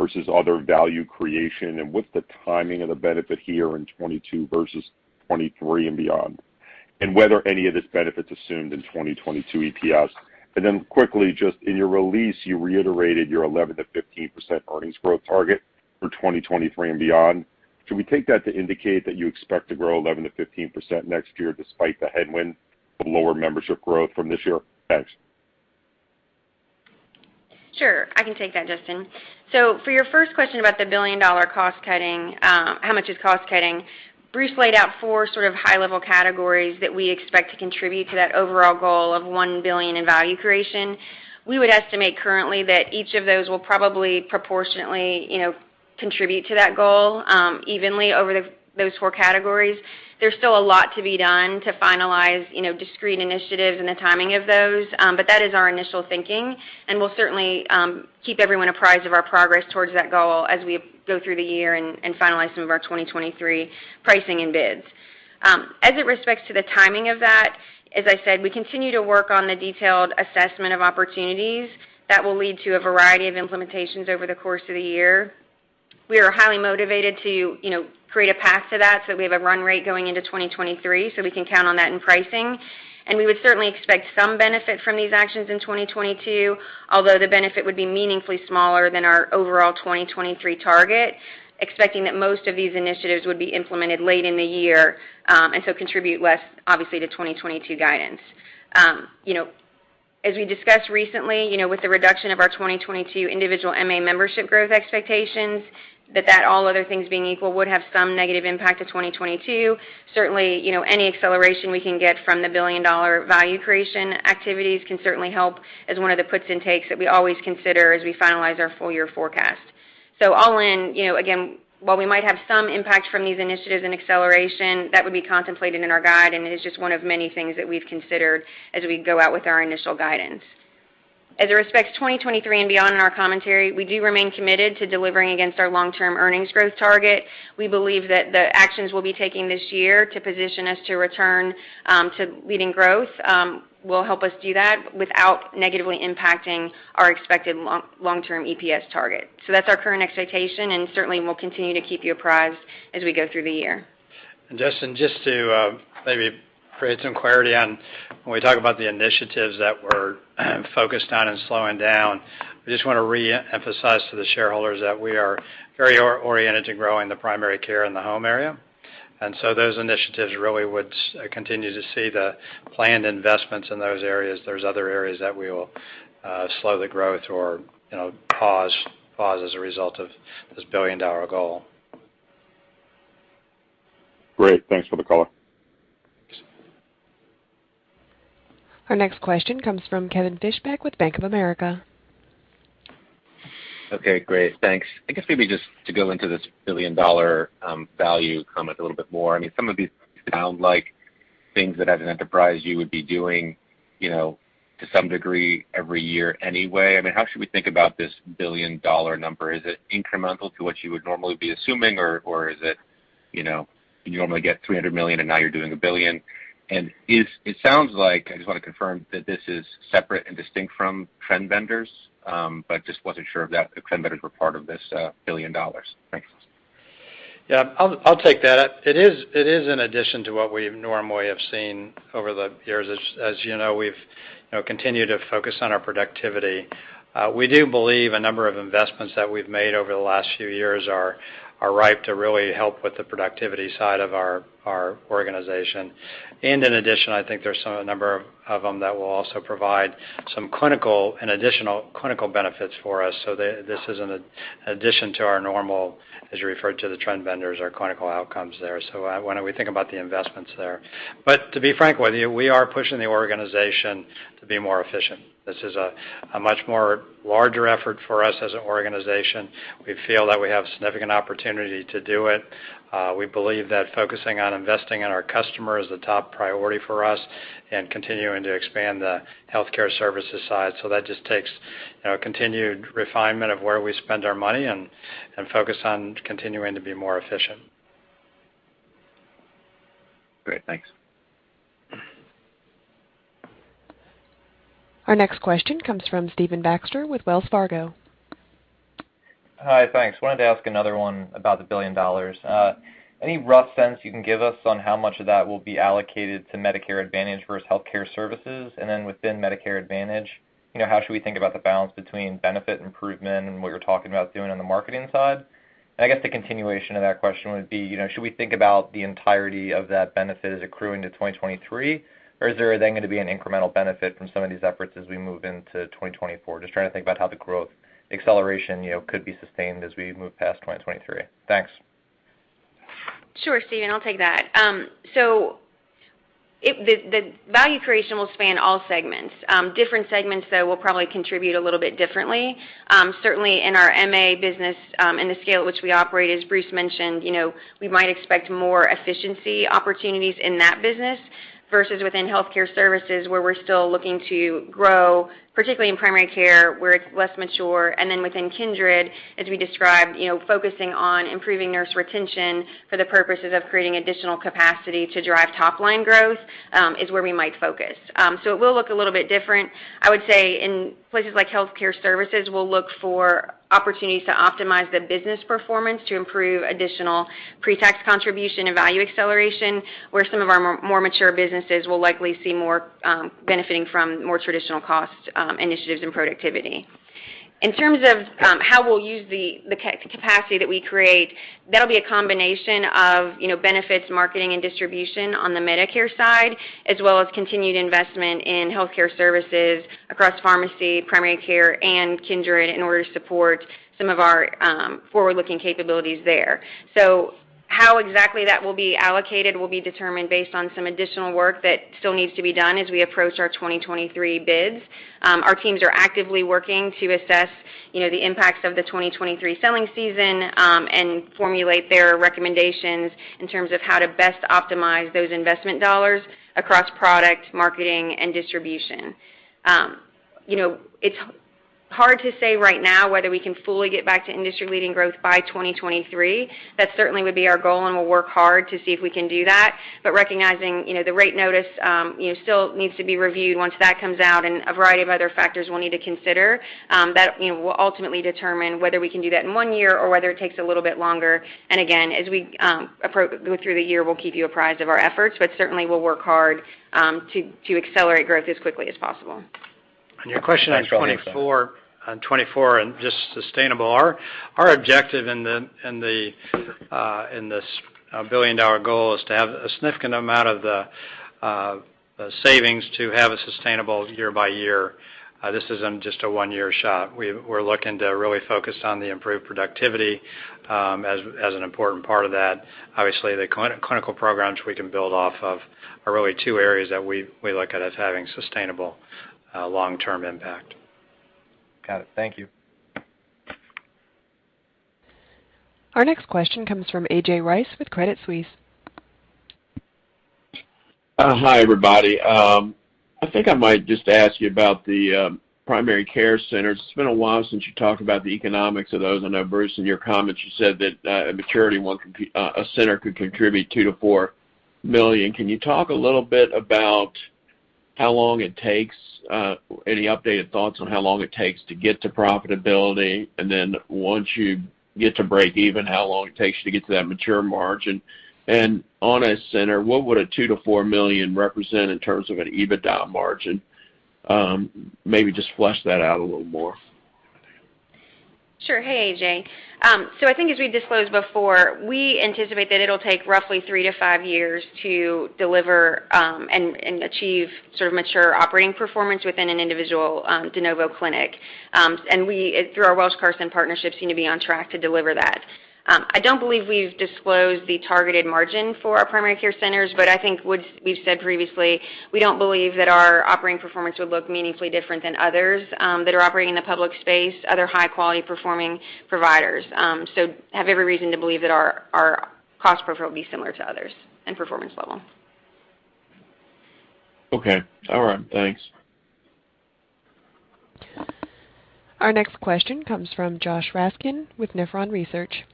versus other value creation, and what's the timing of the benefit here in 2022 versus 2023 and beyond, and whether any of this benefit is assumed in 2022 EPS? Quickly, just in your release, you reiterated your 11%-15% earnings growth target for 2023 and beyond. Should we take that to indicate that you expect to grow 11%-15% next year despite the headwind of lower membership growth from this year? Thanks. Sure. I can take that, Justin. For your first question about the billion-dollar cost-cutting, how much is cost-cutting? Bruce laid out four sort of high-level categories that we expect to contribute to that overall goal of $1 billion in value creation. We would estimate currently that each of those will probably proportionately, you know, contribute to that goal, evenly over those four categories. There's still a lot to be done to finalize, you know, discrete initiatives and the timing of those, but that is our initial thinking, and we'll certainly keep everyone apprised of our progress towards that goal as we go through the year and finalize some of our 2023 pricing and bids. As it respects to the timing of that, as I said, we continue to work on the detailed assessment of opportunities that will lead to a variety of implementations over the course of the year. We are highly motivated to, you know, create a path to that so that we have a run rate going into 2023, so we can count on that in pricing. We would certainly expect some benefit from these actions in 2022, although the benefit would be meaningfully smaller than our overall 2023 target, expecting that most of these initiatives would be implemented late in the year, and so contribute less, obviously, to 2022 guidance. You know, as we discussed recently, you know, with the reduction of our 2022 individual MA membership growth expectations, that all other things being equal, would have some negative impact to 2022. Certainly, you know, any acceleration we can get from the billion-dollar value creation activities can certainly help as one of the puts and takes that we always consider as we finalize our full-year forecast. All in, you know, again, while we might have some impact from these initiatives and acceleration, that would be contemplated in our guide and is just one of many things that we've considered as we go out with our initial guidance. As it respects 2023 and beyond in our commentary, we do remain committed to delivering against our long-term earnings growth target. We believe that the actions we'll be taking this year to position us to return to leading growth will help us do that without negatively impacting our expected long-term EPS target. That's our current expectation, and certainly, we'll continue to keep you apprised as we go through the year. Justin, just to maybe create some clarity on when we talk about the initiatives that we're focused on and slowing down, I just wanna re-emphasize to the shareholders that we are very oriented to growing the primary care in the home area. Those initiatives really would continue to see the planned investments in those areas. There's other areas that we will slow the growth or pause as a result of this billion-dollar goal. Great. Thanks for the color. Our next question comes from Kevin Fischbeck with Bank of America. Okay, great. Thanks. I guess maybe just to go into this $1 billion value comment a little bit more. I mean, some of these sound like things that as an enterprise you would be doing, you know, to some degree every year anyway. I mean, how should we think about this $1 billion number? Is it incremental to what you would normally be assuming, or is it, you know, you normally get $300 million, and now you're doing a $1 billion? It sounds like I just want to confirm that this is separate and distinct from third-party vendors, but just wasn't sure if that, if third-party vendors were part of this $1 billion. Thanks. Yeah. I'll take that. It is in addition to what we normally have seen over the years. As you know, we've, you know, continued to focus on our productivity. We do believe a number of investments that we've made over the last few years are ripe to really help with the productivity side of our organization. In addition, I think there's a number of them that will also provide some clinical and additional clinical benefits for us. This is an addition to our normal, as you referred to, the trend vendors, our clinical outcomes there. Why don't we think about the investments there? To be frank with you, we are pushing the organization to be more efficient. This is a much more larger effort for us as an organization. We feel that we have a significant opportunity to do it. We believe that focusing on investing in our customers is the top priority for us and continuing to expand the healthcare services side. That just takes, you know, continued refinement of where we spend our money and focus on continuing to be more efficient. Great. Thanks. Our next question comes from Stephen Baxter with Wells Fargo. Hi. Thanks. Wanted to ask another one about the $1 billion. Any rough sense you can give us on how much of that will be allocated to Medicare Advantage versus healthcare services? And then within Medicare Advantage, you know, how should we think about the balance between benefit improvement and what you're talking about doing on the marketing side? And I guess the continuation of that question would be, you know, should we think about the entirety of that benefit as accruing to 2023, or is there then gonna be an incremental benefit from some of these efforts as we move into 2024? Just trying to think about how the growth acceleration, you know, could be sustained as we move past 2023. Thanks. Sure, Stephen. I'll take that. The value creation will span all segments. Different segments, though, will probably contribute a little bit differently. Certainly, in our MA business, and the scale at which we operate, as Bruce mentioned, you know, we might expect more efficiency opportunities in that business versus within healthcare services, where we're still looking to grow, particularly in primary care, where it's less mature. Within Kindred, as we described, you know, focusing on improving nurse retention for the purposes of creating additional capacity to drive top-line growth, is where we might focus. It will look a little bit different. I would say in places like healthcare services, we'll look for opportunities to optimize the business performance to improve additional pre-tax contribution and value acceleration, where some of our more mature businesses will likely see more benefiting from more traditional cost initiatives and productivity. In terms of how we'll use the capacity that we create, that'll be a combination of, you know, benefits, marketing, and distribution on the Medicare side, as well as continued investment in healthcare services across pharmacy, primary care, and Kindred in order to support some of our forward-looking capabilities there. How exactly that will be allocated will be determined based on some additional work that still needs to be done as we approach our 2023 bids. Our teams are actively working to assess, you know, the impacts of the 2023 selling season, and formulate their recommendations in terms of how to best optimize those investment dollars across product, marketing, and distribution. You know, it's hard to say right now whether we can fully get back to industry-leading growth by 2023. That certainly would be our goal, and we'll work hard to see if we can do that. Recognizing, you know, the rate notice, you know, still needs to be reviewed once that comes out, and a variety of other factors we'll need to consider, you know, will ultimately determine whether we can do that in one year or whether it takes a little bit longer. Again, as we go through the year, we'll keep you apprised of our efforts, but certainly we'll work hard to accelerate growth as quickly as possible. On your question on 2024 and just sustainable, our objective in this billion-dollar goal is to have a significant amount of the savings to have a sustainable year-by-year. This isn't just a one-year shot. We're looking to really focus on the improved productivity as an important part of that. Obviously, the clinical programs we can build off of are really two areas that we look at as having a sustainable long-term impact. Got it. Thank you. Our next question comes from A.J. Rice with Credit Suisse. Hi, everybody. I think I might just ask you about the primary care centers. It's been a while since you talked about the economics of those. I know, Bruce, in your comments, you said that at maturity, a center could contribute $2 million-$4 million. Can you talk a little bit about how long it takes, any updated thoughts on how long it takes to get to profitability? Then once, you get to break even, how long it takes to get to that mature margin? On a center, what would $2 million-$4 million represent in terms of an EBITDA margin? Maybe just flesh that out a little more. Sure. Hey, A.J. I think as we disclosed before, we anticipate that it'll take roughly three to five years to deliver and achieve sort of mature operating performance within an individual de novo clinic. We, through our Welsh Carson partnership, seem to be on track to deliver that. I don't believe we've disclosed the targeted margin for our primary care centers, but I think what we've said previously, we don't believe that our operating performance would look meaningfully different than others that are operating in the public space, other high-quality performing providers. We have every reason to believe that our cost profile will be similar to others and performance level. Okay. All right. Thanks. Our next question comes from Josh Raskin with Nephron Research.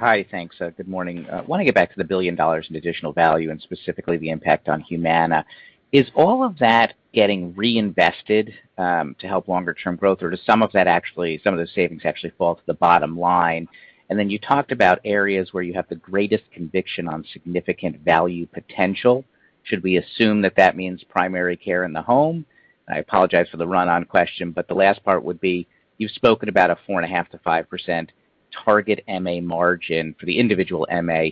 Hi. Thanks. Good morning. I wanna get back to the $1 billion in additional value and specifically the impact on Humana. Is all of that getting reinvested to help longer-term growth, or does some of that actually, some of the savings actually fall to the bottom line? You talked about areas where you have the greatest conviction on significant value potential. Should we assume that that means primary care in the home? I apologize for the run-on question, but the last part would be, you've spoken about a 4.5%-5% target MA margin for the individual MA.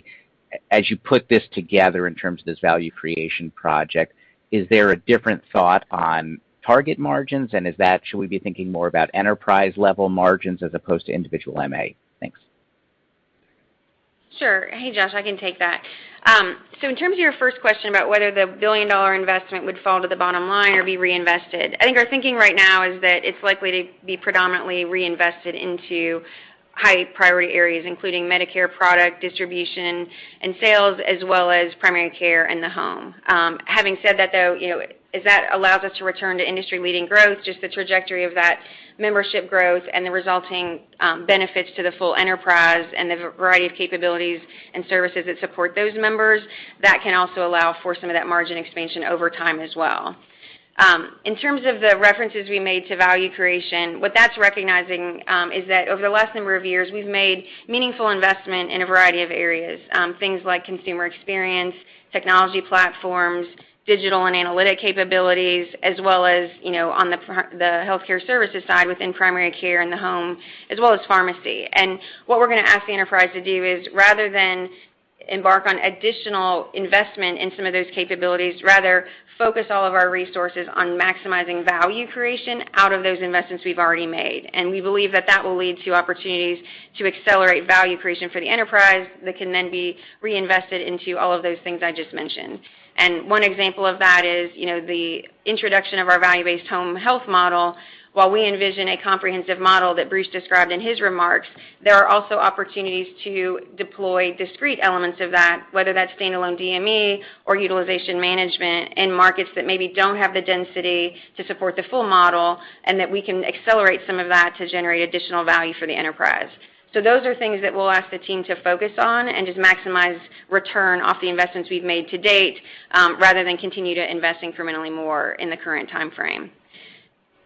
As you put this together in terms of this value creation project, is there a different thought on target margins? Should we be thinking more about enterprise-level margins as opposed to individual MA? Thanks. Sure. Hey, Josh, I can take that. So in terms of your first question about whether the $1 billion investment would fall to the bottom line or be reinvested, I think our thinking right now is that it's likely to be predominantly reinvested into high-priority areas, including Medicare product distribution and sales, as well as primary care in the home. Having said that, though, you know, as that allows us to return to industry-leading growth, just the trajectory of that membership growth and the resulting benefits to the full enterprise and the variety of capabilities and services that support those members, that can also allow for some of that margin expansion over time as well. In terms of the references we made to value creation, what that's recognizing is that over the last number of years, we've made meaningful investment in a variety of areas, things like consumer experience, technology platforms, digital and analytic capabilities, as well as, you know, on the healthcare services side within primary care in the home, as well as pharmacy. What we're gonna ask the enterprise to do is rather than embark on additional investment in some of those capabilities, rather focus all of our resources on maximizing value creation out of those investments we've already made. We believe that will lead to opportunities to accelerate value creation for the enterprise that can then be reinvested into all of those things I just mentioned. One example of that is, you know, the introduction of our value-based home health model. While we envision a comprehensive model that Bruce described in his remarks, there are also opportunities to deploy discrete elements of that, whether that's standalone DME or utilization management in markets that maybe don't have the density to support the full model, and that we can accelerate some of that to generate additional value for the enterprise. Those are things that we'll ask the team to focus on and just maximize return off the investments we've made to date, rather than continue to invest incrementally more in the current time frame.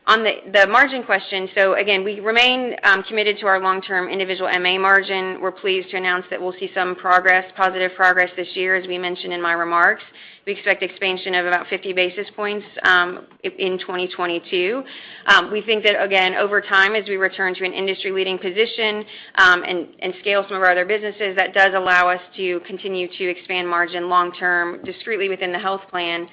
On the margin question, again, we remain committed to our long-term individual MA margin. We're pleased to announce that we'll see some progress, positive progress, this year, as we mentioned in my remarks. We expect expansion of about 50 basis points in 2022. We think that, again, over time, as we return to an industry-leading position, and scale some of our other businesses, that does allow us to continue to expand margin long-term, discreetly within the health plan.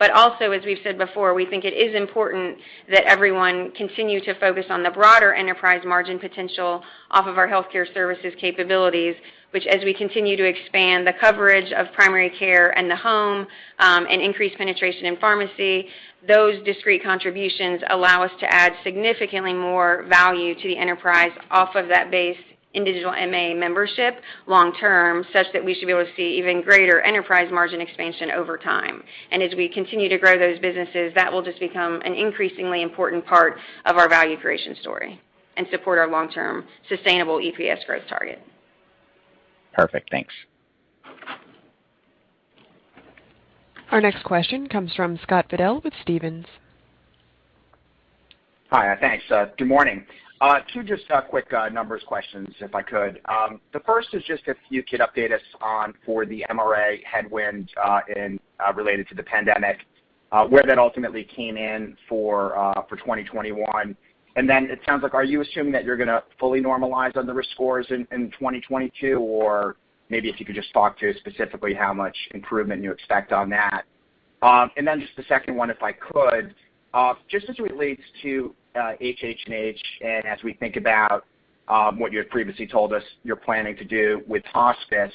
Also, as we've said before, we think it is important that everyone continue to focus on the broader enterprise margin potential off of our healthcare services capabilities, which as we continue to expand the coverage of primary care in the home, and increase penetration in pharmacy, those discrete contributions allow us to add significantly more value to the enterprise off of that base in digital MA membership long-term, such that we should be able to see even greater enterprise margin expansion over time. As we continue to grow those businesses, that will just become an increasingly important part of our value creation story and support our long-term sustainable EPS growth target. Perfect. Thanks. Our next question comes from Scott Fidel with Stephens. Hi. Thanks. Good morning. Two just quick numbers questions, if I could. The first is just if you could update us on the MRA headwind related to the pandemic, where that ultimately came in for 2021. It sounds like are you assuming that you're gonna fully normalize on the risk scores in 2022? Maybe if you could just talk to specifically how much improvement you expect on that. Just the second one, if I could, just as it relates to HHH, and as we think about what you had previously told us you're planning to do with hospice.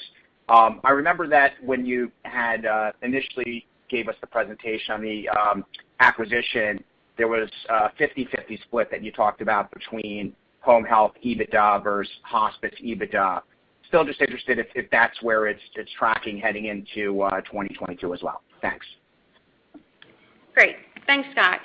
I remember that when you had initially gave us the presentation on the acquisition, there was a 50/50 split that you talked about between home health EBITDA, versus hospice EBITDA. Still just interested if that's where it's tracking heading into 2022 as well. Thanks. Great. Thanks, Scott.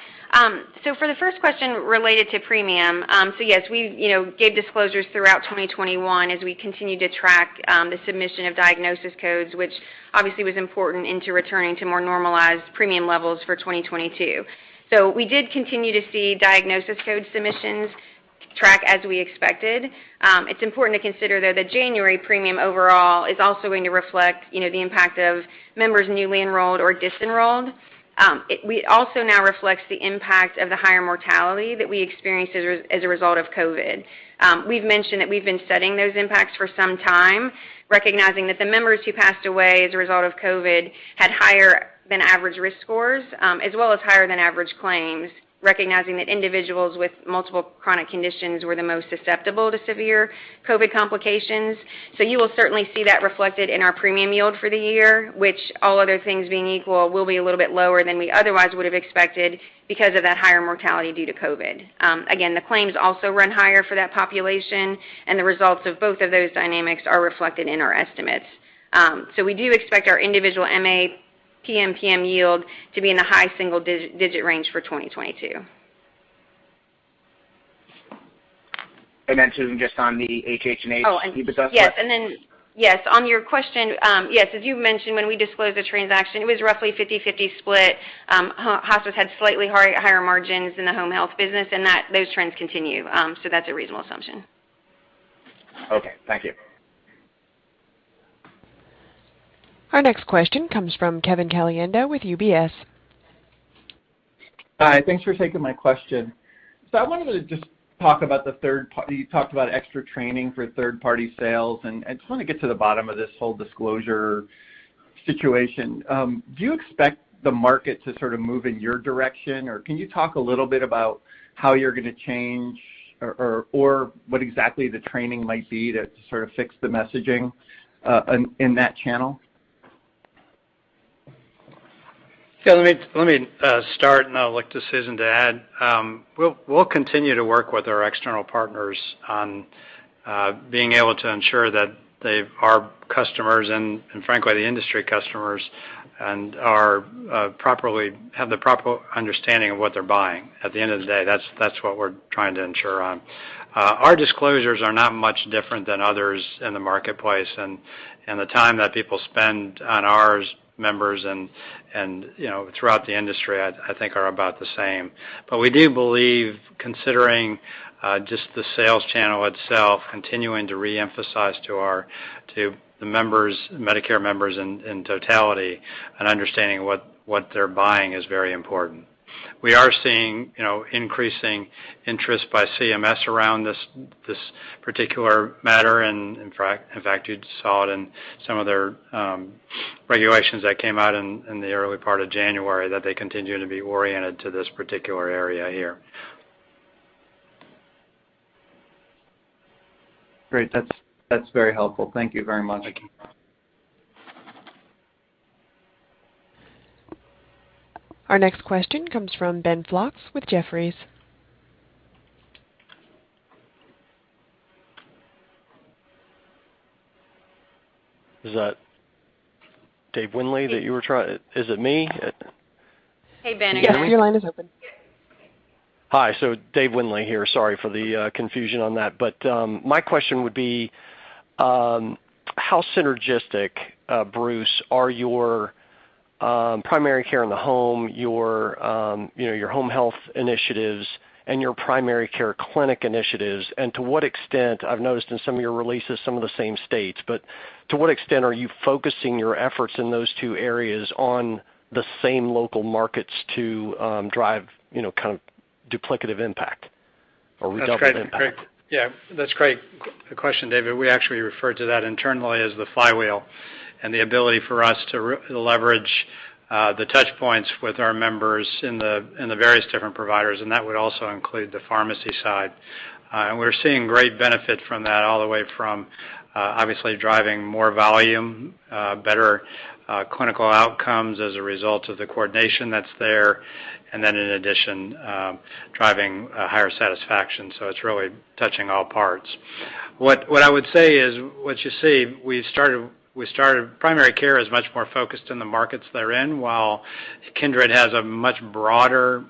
For the first question related to premium, yes, we, you know, gave disclosures throughout 2021 as we continued to track the submission of diagnosis codes, which obviously was important into returning to more normalized premium levels for 2022. We did continue to see diagnosis code submissions track as we expected. It's important to consider, though, that January premium overall is also going to reflect, you know, the impact of members newly enrolled or disenrolled. It also now reflects the impact of the higher mortality that we experienced as a result of COVID. We've mentioned that we've been studying those impacts for some time, recognizing that the members who passed away as a result of COVID had higher-than-average risk scores, as well as higher-than-average claims, recognizing that individuals with multiple chronic conditions were the most susceptible to severe COVID complications. You will certainly see that reflected in our premium yield for the year, which, all other things being equal, will be a little bit lower than we otherwise would have expected because of that higher mortality due to COVID. Again, the claims also run higher for that population, and the results of both of those dynamics are reflected in our estimates. We do expect our individual MA PMPM yield to be in the high single-digit range for 2022. Susan, just on the HHH EBITDA question. Oh, yes. Yes, on your question, yes, as you mentioned, when we disclosed the transaction, it was roughly 50/50 split. Hospice had slightly higher margins in the home health business, and those trends continue. That's a reasonable assumption. Okay. Thank you. Our next question comes from Kevin Caliendo with UBS. Hi. Thanks for taking my question. I wanted to just talk about what you talked about, extra training for third-party sales, and just wanna get to the bottom of this whole disclosure situation. Do you expect the market to sort of move in your direction, or can you talk a little bit about how you're gonna change or what exactly the training might be to sort of fix the messaging, in that channel? Yeah, let me start, and I'll look to Susan to add. We'll continue to work with our external partners on being able to ensure that our customers, and frankly, the industry customers, have the proper understanding of what they're buying. At the end of the day, that's what we're trying to ensure on. Our disclosures are not much different than others in the marketplace, and the time that people spend on ours, members, and you know throughout the industry, I think are about the same. But we do believe, considering just the sales channel itself, continuing to reemphasize to the members, Medicare members in totality, and understanding what they're buying is very important. We are seeing, you know, increasing interest by CMS around this particular matter. In fact, you saw it in some of their regulations that came out in the early part of January that they continue to be oriented to this particular area here. Great. That's very helpful. Thank you very much. Thank you. Our next question comes from Ben Hendrix with Jefferies. Is that David Windley? Is it me? Hey, Ben. Yes, your line is open. Hi. David Windley here, sorry for the confusion on that. My question would be, how synergistic, Bruce, are your primary care in the home, your you know, your home health initiatives, and your primary care clinic initiatives? To what extent, I've noticed in some of your releases some of the same states, but to what extent are you focusing your efforts in those two areas on the same local markets to drive, you know, kind of duplicative impact or redundant impact? That's great. Great. Yeah, that's a great question, David. We actually refer to that internally as the flywheel and the ability for us to leverage the touch points with our members in the various different providers, and that would also include the pharmacy side. We're seeing great benefit from that, all the way from obviously driving more volume, better clinical outcomes as a result of the coordination that's there, and then in addition, driving a higher satisfaction. It's really touching all parts. What I would say is what you see, we started primary care as much more focused in the markets they're in, while Kindred has a much broader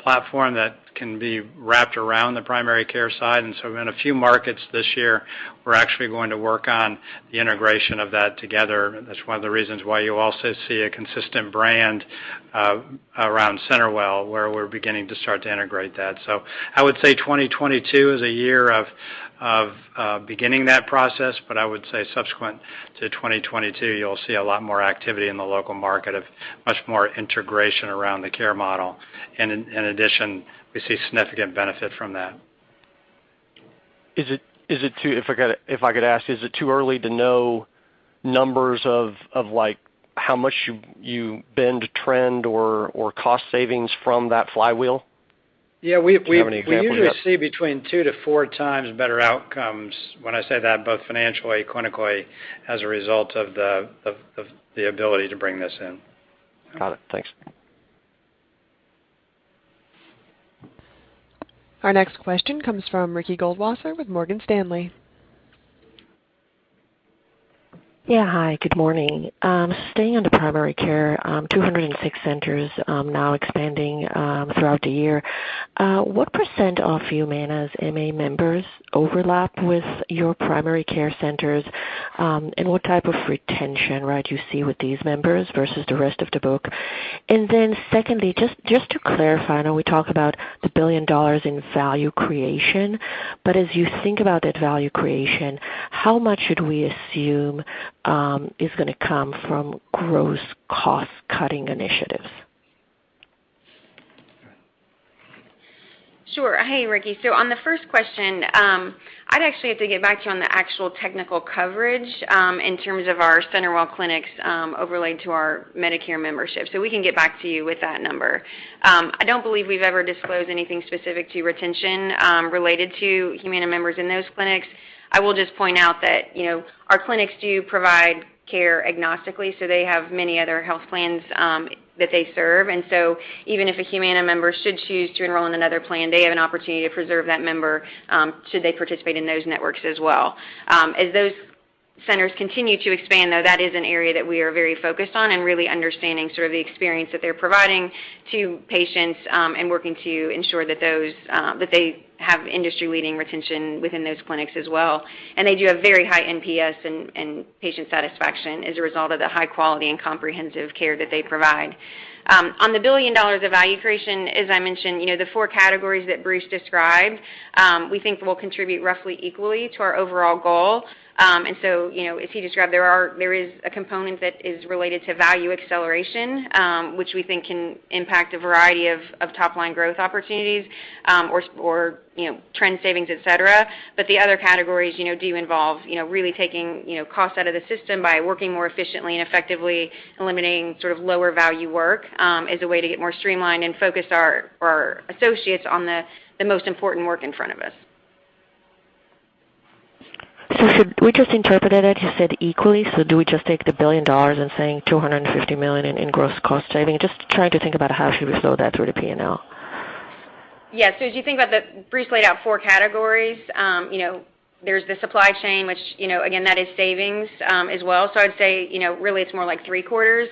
platform that can be wrapped around the primary care side. In a few markets this year, we're actually going to work on the integration of that together. That's one of the reasons why you also see a consistent brand around CenterWell, where we're beginning to start to integrate that. I would say 2022 is a year of beginning that process, but I would say subsequent to 2022, you'll see a lot more activity in the local market of much more integration around the care model. In addition, we see significant benefit from that. If I could ask, is it too early to know numbers, like how much you bend trend or cost savings from that flywheel? Yeah. Do you have any example yet? We usually see between 2x-4x better outcomes when I say that, both financially, clinically, as a result of the ability to bring this in. Got it. Thanks. Our next question comes from Ricky Goldwasser with Morgan Stanley. Yeah. Hi, good morning. Staying on the primary care, 206 centers now expanding throughout the year. What percent of Humana's MA members overlap with your primary care centers? And what type of retention, right, you see with these members versus the rest of the book? Then secondly, just to clarify, I know we talk about the $1 billion in value creation, but as you think about that value creation, how much should we assume is gonna come from gross cost-cutting initiatives? Sure. Hey, Ricky. On the first question, I'd actually have to get back to you on the actual technical coverage in terms of our CenterWell clinics overlaid to our Medicare membership. We can get back to you with that number. I don't believe we've ever disclosed anything specific to retention related to Humana members in those clinics. I will just point out that, you know, our clinics do provide care agnostically, so they have many other health plans that they serve. Even if a Humana member should choose to enroll in another plan, they have an opportunity to preserve that member should they participate in those networks as well. As those centers continue to expand, though, that is an area that we are very focused on and really understanding sort of the experience that they're providing to patients, and working to ensure that they have industry-leading retention within those clinics as well. They do have very high NPS and patient satisfaction as a result of the high-quality and comprehensive care that they provide. On the $1 billion of value creation, as I mentioned, you know, the four categories that Bruce described, we think will contribute roughly equally to our overall goal. You know, as he described, there is a component that is related to value acceleration, which we think can impact a variety of top-line growth opportunities, or, you know, trend savings, et cetera. The other categories, you know, do involve, you know, really taking, you know, cost out of the system by working more efficiently and effectively eliminating sort of lower value work, as a way to get more streamlined and focus our associates on the most important work in front of us. Should we just interpret it as you said equally? Do we just take the $1 billion and saying $250 million in gross cost savings? Just trying to think about how should we flow that through the P&L. Yeah. As you think about what Bruce laid out four categories, you know, there's the supply chain, which, you know, again, that is savings, as well. I'd say, you know, really it's more like three-quarters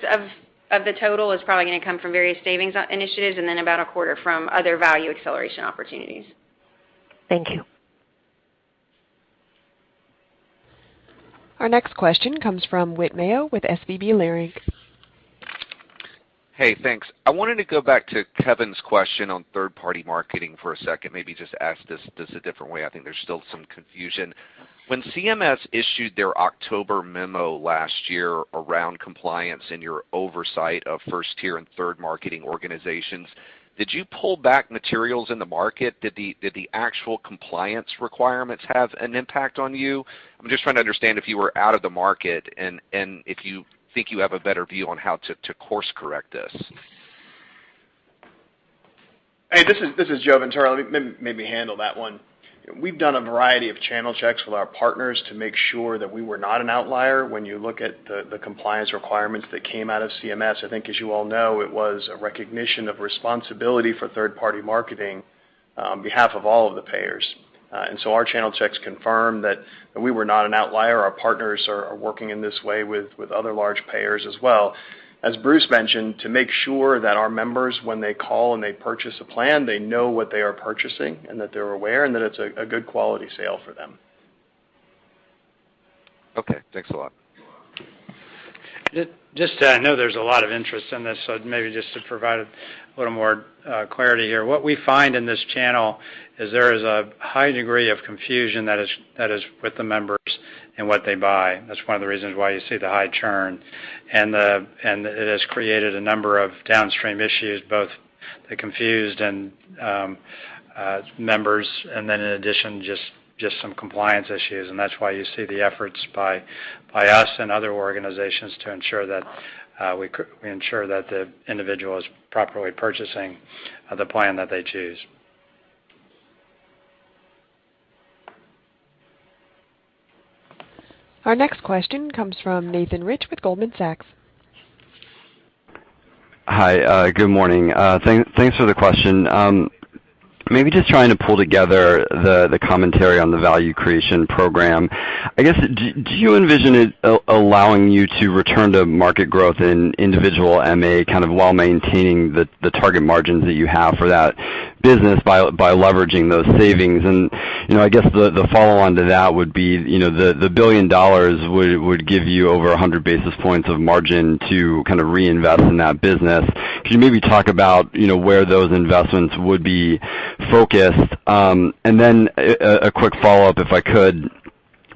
of the total is probably gonna come from various savings initiatives and then about a quarter from other value acceleration opportunities. Thank you. Our next question comes from Whit Mayo with SVB Leerink. Hey, thanks. I wanted to go back to Kevin's question on third-party marketing for a second. Maybe just ask this a different way. I think there's still some confusion. When CMS issued their October memo last year around compliance and your oversight of first-tier and third marketing organizations, did you pull back materials in the market? Did the actual compliance requirements have an impact on you? I'm just trying to understand if you were out of the market and if you think you have a better view on how to course correct this. Hey, this is Joe Ventura. Let me maybe handle that one. We've done a variety of channel checks with our partners to make sure that we were not an outlier. When you look at the compliance requirements that came out of CMS, I think, as you all know, it was a recognition of responsibility for third-party marketing behalf of all of the payers. Our channel checks confirmed that we were not an outlier. Our partners are working in this way with other large payers as well. As Bruce mentioned, to make sure that our members, when they call and they purchase a plan, they know what they are purchasing and that they're aware and that it's a good quality sale for them. Okay. Thanks a lot. I know there's a lot of interest in this, so maybe just to provide a little more clarity here. What we find in this channel is there is a high degree of confusion that is with the members and what they buy. That's one of the reasons why you see the high churn. It has created a number of downstream issues, both the confused and members, and then in addition, just some compliance issues. That's why you see the efforts by us and other organizations to ensure that we ensure that the individual is properly purchasing the plan that they choose. Our next question comes from Nathan Roth with Goldman Sachs. Hi. Good morning. Thanks for the question. Maybe just trying to pull together the commentary on the value creation program. I guess, do you envision it allowing you to return to market growth in individual MA, kind of, while maintaining the target margins that you have for that business by leveraging those savings? You know, I guess the follow-on to that would be, you know, the $1 billion would give you over 100 basis points of margin to kind of reinvest in that business. Could you maybe talk about, you know, where those investments would be focused? Then a quick follow-up, if I could.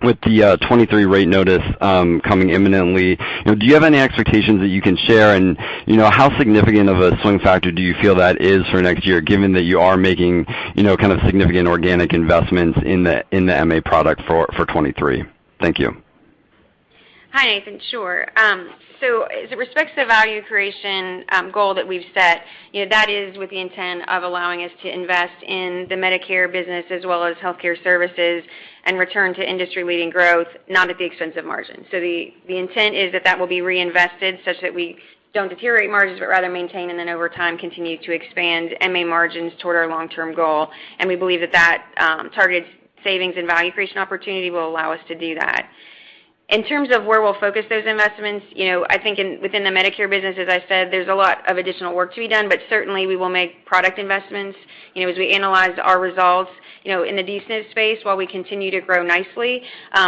With the 2023 rate notice coming imminently, you know, do you have any expectations that you can share? You know, how significant of a swing factor do you feel that is for next year, given that you are making, you know, kind of significant organic investments in the MA product for 2023? Thank you. Hi, Nathan. Sure. As it relates to the value creation goal that we've set, you know, that is with the intent of allowing us to invest in the Medicare business as well as healthcare services and return to industry-leading growth, not at the expense of margin. The intent is that it will be reinvested such that we don't deteriorate margins, but rather maintain and then over time, continue to expand MA margins toward our long-term goal. We believe that targets savings and value creation opportunity will allow us to do that. In terms of where we'll focus those investments, you know, I think within the Medicare business, as I said, there's a lot of additional work to be done, but certainly we will make product investments, you know, as we analyze our results, you know, in the DSNP space. While we continue to grow nicely,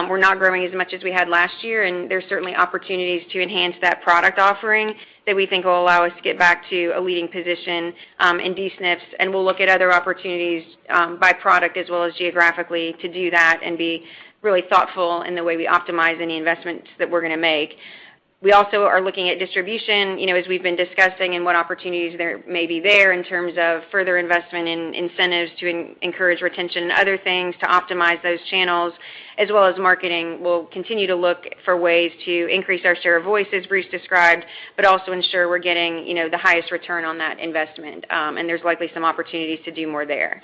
we're not growing as much as we had last year, and there's certainly opportunities to enhance that product offering that we think will allow us to get back to a leading position in DSNPs, and we'll look at other opportunities by product as well as geographically to do that and be really thoughtful in the way we optimize any investments that we're gonna make. We also are looking at distribution, you know, as we've been discussing, and what opportunities there may be there in terms of further investment in incentives to encourage retention and other things to optimize those channels, as well as marketing. We'll continue to look for ways to increase our share of voice, as Bruce described, but also ensure we're getting, you know, the highest return on that investment. There's likely some opportunities to do more there.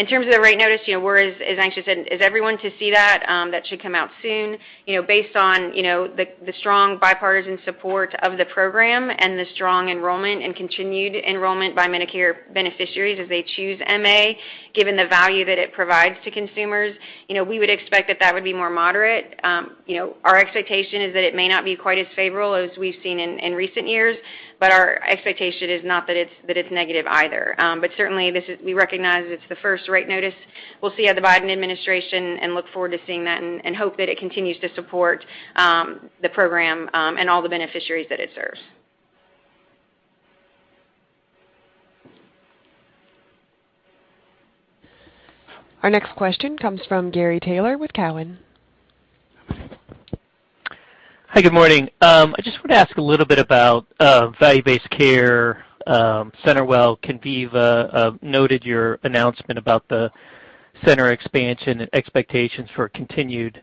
In terms of the rate notice, you know, we're as anxious as everyone to see that. That should come out soon. You know, based on, you know, the strong bipartisan support of the program and the strong enrollment and continued enrollment by Medicare beneficiaries as they choose MA, given the value that it provides to consumers, you know, we would expect that would be more moderate. You know, our expectation is that it may not be quite as favorable as we've seen in recent years, but our expectation is not that it's negative either. Certainly this is. We recognize it's the first rate notice. We'll see how the Biden administration and look forward to seeing that and hope that it continues to support the program and all the beneficiaries that it serves. Our next question comes from Gary Taylor with TD Cowen. Hi, good morning. I just wanna ask a little bit about value-based care, CenterWell, Conviva, noted your announcement about the center expansion and expectations for continued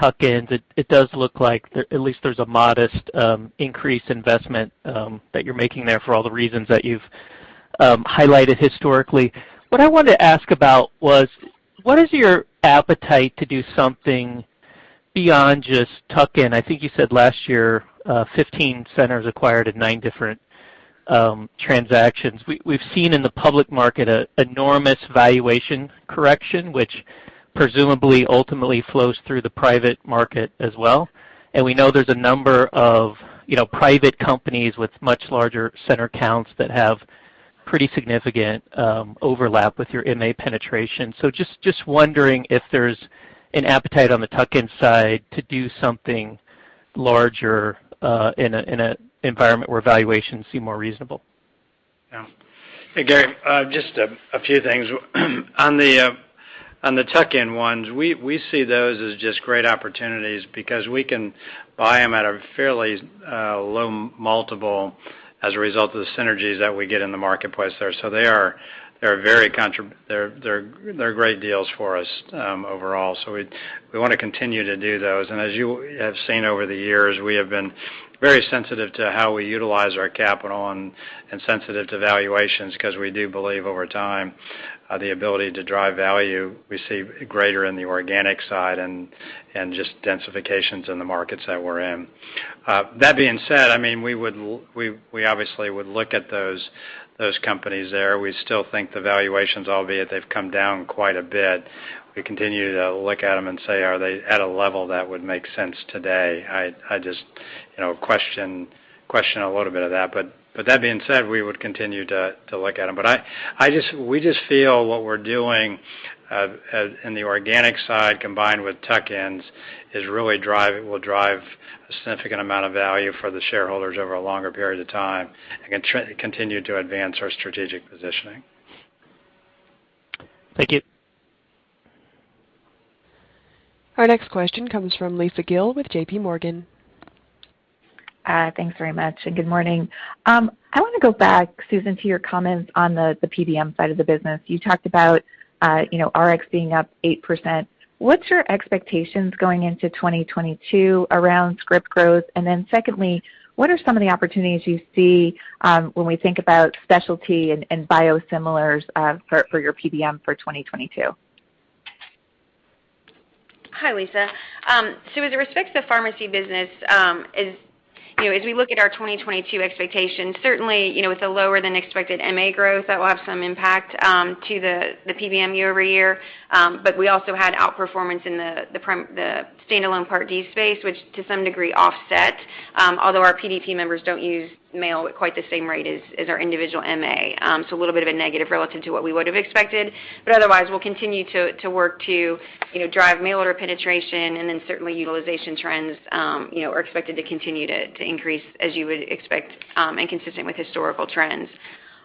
tuck-ins. It does look like there is at least a modest increased in investment that you're making there for all the reasons that you've highlighted historically. What I wanted to ask about was, what is your appetite to do something beyond just tuck-in? I think you said last year, 15 centers acquired at nine different transactions. We've seen in the public market an enormous valuation correction, which presumably ultimately flows through the private market as well. We know there's a number of, you know, private companies with much larger center counts that have pretty significant overlap with your MA penetration. Just wondering if there's an appetite on the tuck-in side to do something larger, in an environment where valuations seem more reasonable. Yeah. Hey, Gary, just a few things. On the tuck-in ones, we see those as just great opportunities because we can buy them at a fairly low multiple as a result of the synergies that we get in the marketplace there. So they are great deals for us, overall. So we wanna continue to do those. As you have seen over the years, we have been very sensitive to how we utilize our capital and sensitive to valuations 'cause we do believe over time the ability to drive value we see greater in the organic side and just densifications in the markets that we're in. That being said, I mean, we obviously would look at those companies there. We still think the valuations, although they've come down quite a bit, we continue to look at them and say, are they at a level that would make sense today? I just, you know, question a little bit of that. That being said, we would continue to look at them. We just feel what we're doing in the organic side, combined with tuck-ins, will drive a significant amount of value for the shareholders over a longer period of time and continue to advance our strategic positioning. Thank you. Our next question comes from Lisa Gill with JPMorgan. Thanks very much, and good morning. I wanna go back, Susan, to your comments on the PBM side of the business. You talked about, you know, Rx being up 8%. What's your expectations going into 2022 around script growth? And then secondly, what are some of the opportunities you see, when we think about specialty and biosimilars, for your PBM for 2022? Hi, Lisa. As it respects the pharmacy business, as you know, as we look at our 2022 expectations, certainly, you know, with the lower than expected MA growth, that will have some impact to the PBM year-over-year. We also had outperformance in the standalone Part D space, which, to some degree, offset, although our PDP members don't use mail at quite the same rate as our individual MA, so a little bit of a negative relative to what we would have expected. Otherwise, we'll continue to work to, you know, drive mail order penetration, and then certainly utilization trends, you know, are expected to continue to increase as you would expect, and consistent with historical trends.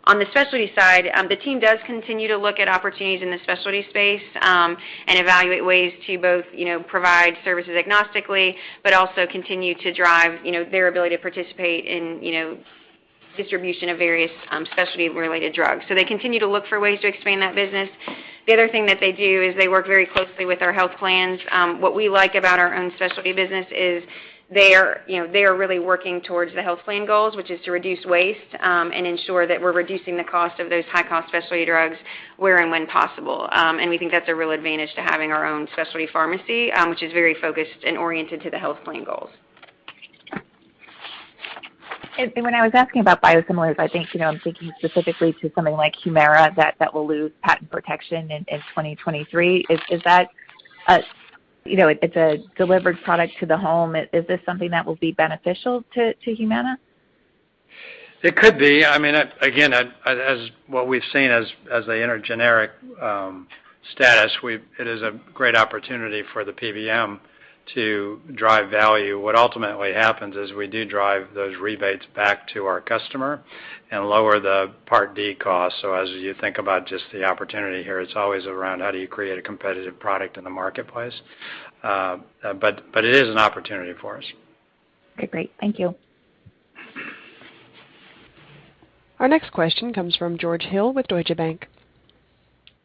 On the specialty side, the team does continue to look at opportunities in the specialty space, and evaluate ways to both, you know, provide services agnostically, but also continue to drive, you know, their ability to participate in, you know, distribution of various, specialty-related drugs. So they continue to look for ways to expand that business. The other thing that they do is they work very closely with our health plans. What we like about our own specialty business is they are, you know, they are really working towards the health plan goals, which is to reduce waste, and ensure that we're reducing the cost of those high-cost specialty drugs where and when possible. We think that's a real advantage to having our own specialty pharmacy, which is very focused and oriented to the health plan goals. When I was asking about biosimilars, I think, you know, I'm thinking specifically to something like Humira that will lose patent protection in 2023. Is that, you know, it's a delivered product to the home. Is this something that will be beneficial to Humana? It could be. I mean, again, as what we've seen, as they enter generic status, it is a great opportunity for the PBM to drive value. What ultimately happens is we do drive those rebates back to our customers and lower the Part D cost. As you think about just the opportunity here, it's always around how do you create a competitive product in the marketplace? But it is an opportunity for us. Okay, great. Thank you. Our next question comes from George Hill with Deutsche Bank.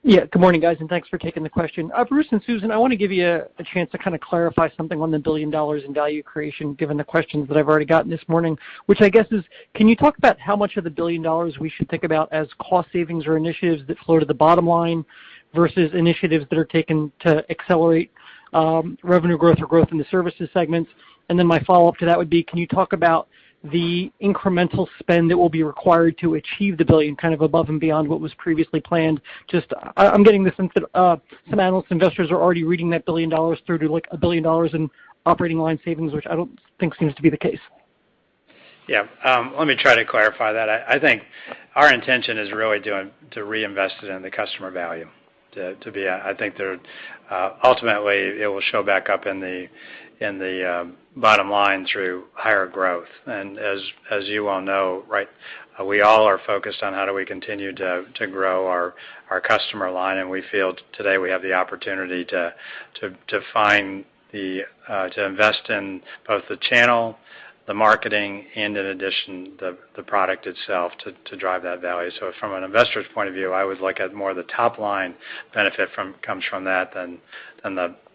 Yeah, good morning, guys, and thanks for taking the question. Bruce and Susan, I wanna give you a chance to kinda clarify something on the $1 billion in value creation, given the questions that I've already gotten this morning, which I guess is, can you talk about how much of the $1 billion we should think about as cost savings or initiatives that flow to the bottom line versus initiatives that are taken to accelerate revenue growth or growth in the services segments? Then my follow-up to that would be, can you talk about the incremental spend that will be required to achieve the $1 billion kind of above and beyond what was previously planned? I'm getting the sense that some analyst investors are already reading that $1 billion through to, like, a $1 billion in operating line savings, which I don't think seems to be the case. Yeah, let me try to clarify that. I think our intention is really to reinvest it in the customer value. I think ultimately, it will show back up in the bottom line through higher growth. As you all know, right, we all are focused on how do we continue to grow our customer line, and we feel today we have the opportunity to invest in both the channel, the marketing, and in addition, the product itself to drive that value. From an investor's point of view, I would look at more of the top-line benefit that comes from that than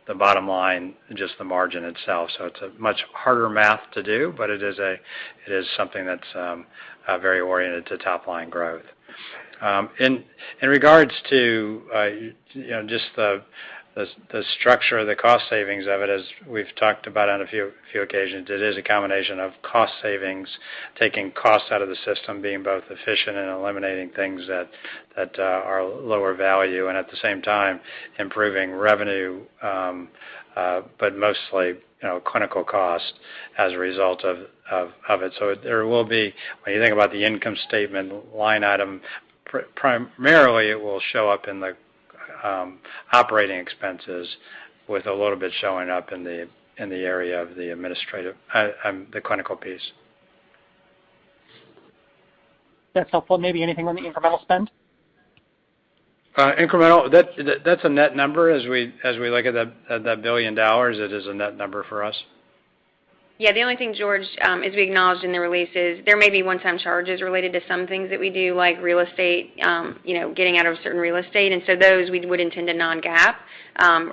the bottom line, just the margin itself. It's a much harder math to do, but it is something that's very oriented to top-line growth. In regards to, you know, just the structure of the cost savings of it, as we've talked about on a few occasions, it is a combination of cost savings, taking costs out of the system, being both efficient and eliminating things that are lower value, and at the same time, improving revenue, but mostly, you know, clinical cost as a result of it. There will be, when you think about the income statement line item, primarily, it will show up in the operating expenses, with a little bit showing up in the area of the administrative, the clinical piece. That's helpful. Maybe anything on the incremental spend? Incremental, that's a net number as we look at that $1 billion, it is a net number for us. Yeah, the only thing, George, as we acknowledged in the release, is there may be one-time charges related to some things that we do, like real estate, you know, getting out of certain real estate. Those we would intend to non-GAAP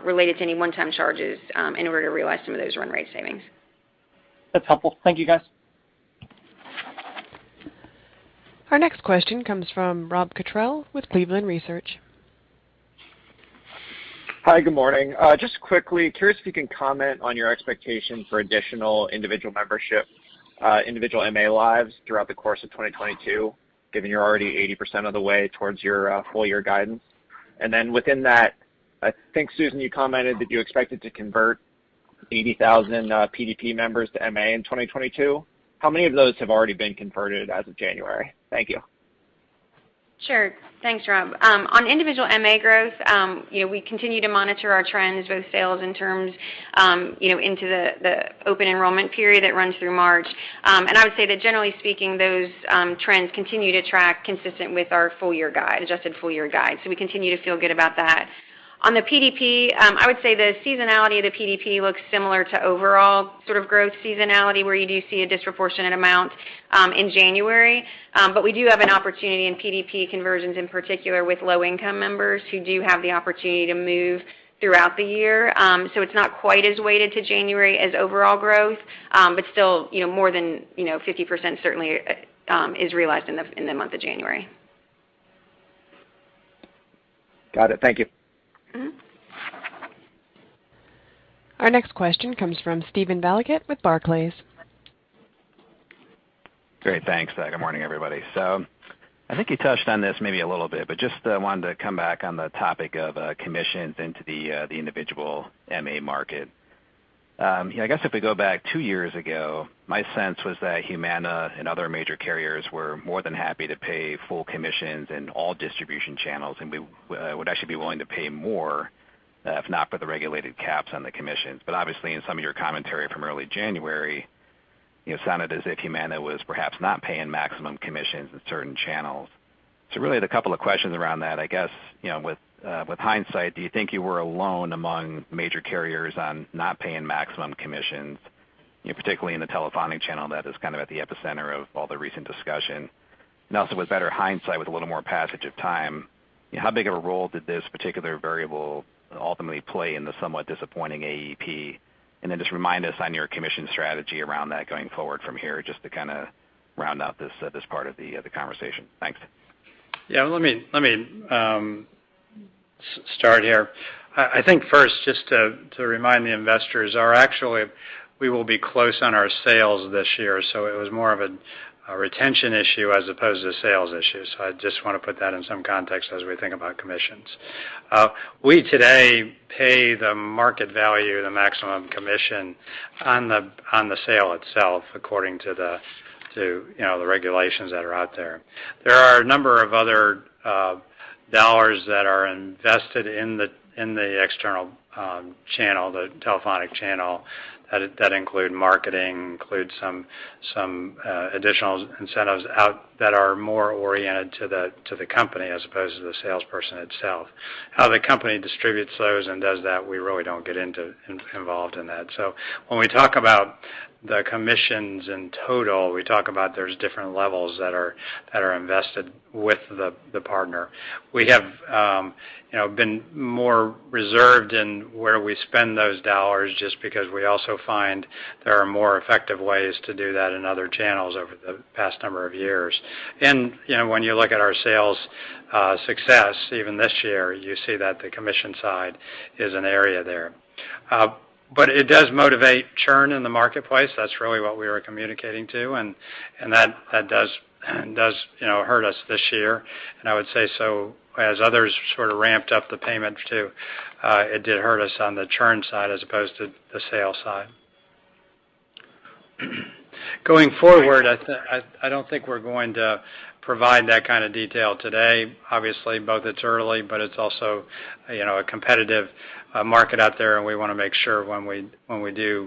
related to any one-time charges in order to realize some of those run rate savings. That's helpful. Thank you, guys. Our next question comes from Rob Cottrell with Cleveland Research. Hi, good morning. Just quickly, curious if you can comment on your expectation for additional individual membership, individual MA lives throughout the course of 2022, given you're already 80% of the way towards your, full-year guidance. Then, within that, I think, Susan, you commented that you expected to convert 80,000, PDP members to MA in 2022. How many of those have already been converted as of January? Thank you. Sure. Thanks, Rob. On individual MA growth, you know, we continue to monitor our trends, both sales and terms, you know, into the open enrollment period that runs through March. I would say that generally speaking, those trends continue to track consistent with our full-year guide, adjusted full-year guide. We continue to feel good about that. On the PDP, I would say the seasonality of the PDP looks similar to the overall sort of growth seasonality, where you do see a disproportionate amount in January. We do have an opportunity in PDP conversions, in particular with low-income members who do have the opportunity to move throughout the year. It's not quite as weighted to January as overall growth, but still, you know, more than 50% certainly is realized in the month of January. Got it. Thank you. Mm-hmm. Our next question comes from Steven Valiquette with Barclays. Great. Thanks. Good morning, everybody. I think you touched on this maybe a little bit, but just wanted to come back on the topic of commissions into the individual MA market. You know, I guess if we go back two years ago, my sense was that Humana and other major carriers were more than happy to pay full commissions in all distribution channels, and we would actually be willing to pay more If not for the regulated caps on the commissions, but obviously in some of your commentary from early January, it sounded as if Humana was perhaps not paying maximum commissions in certain channels. Really, the couple of questions around that, I guess, you know, with hindsight, do you think you were alone among major carriers on not paying maximum commissions, you know, particularly in the telephonic channel that is kind of at the epicenter of all the recent discussion? Also, with better hindsight, with a little more passage of time, how big of a role did this particular variable ultimately play in the somewhat disappointing AEP? Then just remind us on your commission strategy around that going forward from here, just to kinda round out this part of the conversation. Thanks. Let me start here. I think first, just to remind investors that actually, we will be close on our sales this year. It was more of a retention issue as opposed to a sales issue. I just want to put that in some context as we think about commissions. We today pay the market value, the maximum commission on the sale itself, according to, you know the regulations that are out there. There are a number of other dollars that are invested in the external channel, the telephonic channel, that include marketing, includes some additional incentives that are more oriented to the company as opposed to the salesperson itself. How the company distributes those and does that, we really don't get involved in that. When we talk about the commissions in total, we talk about there's different levels that are invested with the partner. We have, you know, been more reserved in where we spend those dollars just because we also find there are more effective ways to do that in other channels over the past number of years. You know, when you look at our sales success, even this year, you see that the commission side is an area there. It does motivate churn in the marketplace. That's really what we were communicating to. That does, you know, hurt us this year. I would say so as others sort of ramped up the payment to. It did hurt us on the churn side as opposed to the sales side. Going forward, I don't think we're going to provide that kind of detail today. Obviously, both it's early, but it's also, you know, a competitive market out there, and we wanna make sure when we do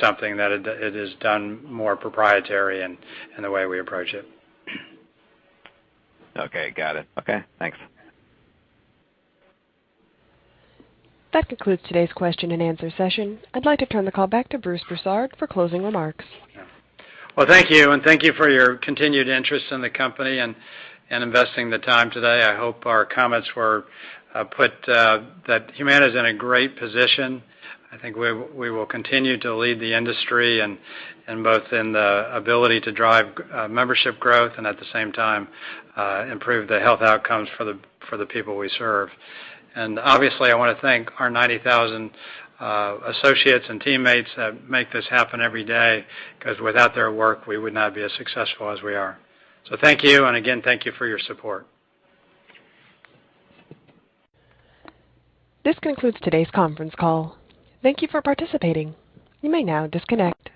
something that it is done more proprietary in the way we approach it. Okay, got it. Okay, thanks. That concludes today's question-and-answer session. I'd like to turn the call back to Bruce Broussard for closing remarks. Well, thank you, and thank you for your continued interest in the company and investing the time today. I hope our comments were that Humana is in a great position. I think we will continue to lead the industry, and both in the ability to drive membership growth and at the same time improve the health outcomes for the people we serve. Obviously, I wanna thank our 90,000 associates and teammates that make this happen every day, 'cause without their work, we would not be as successful as we are. Thank you. Again, thank you for your support. This concludes today's conference call. Thank you for participating. You may now disconnect.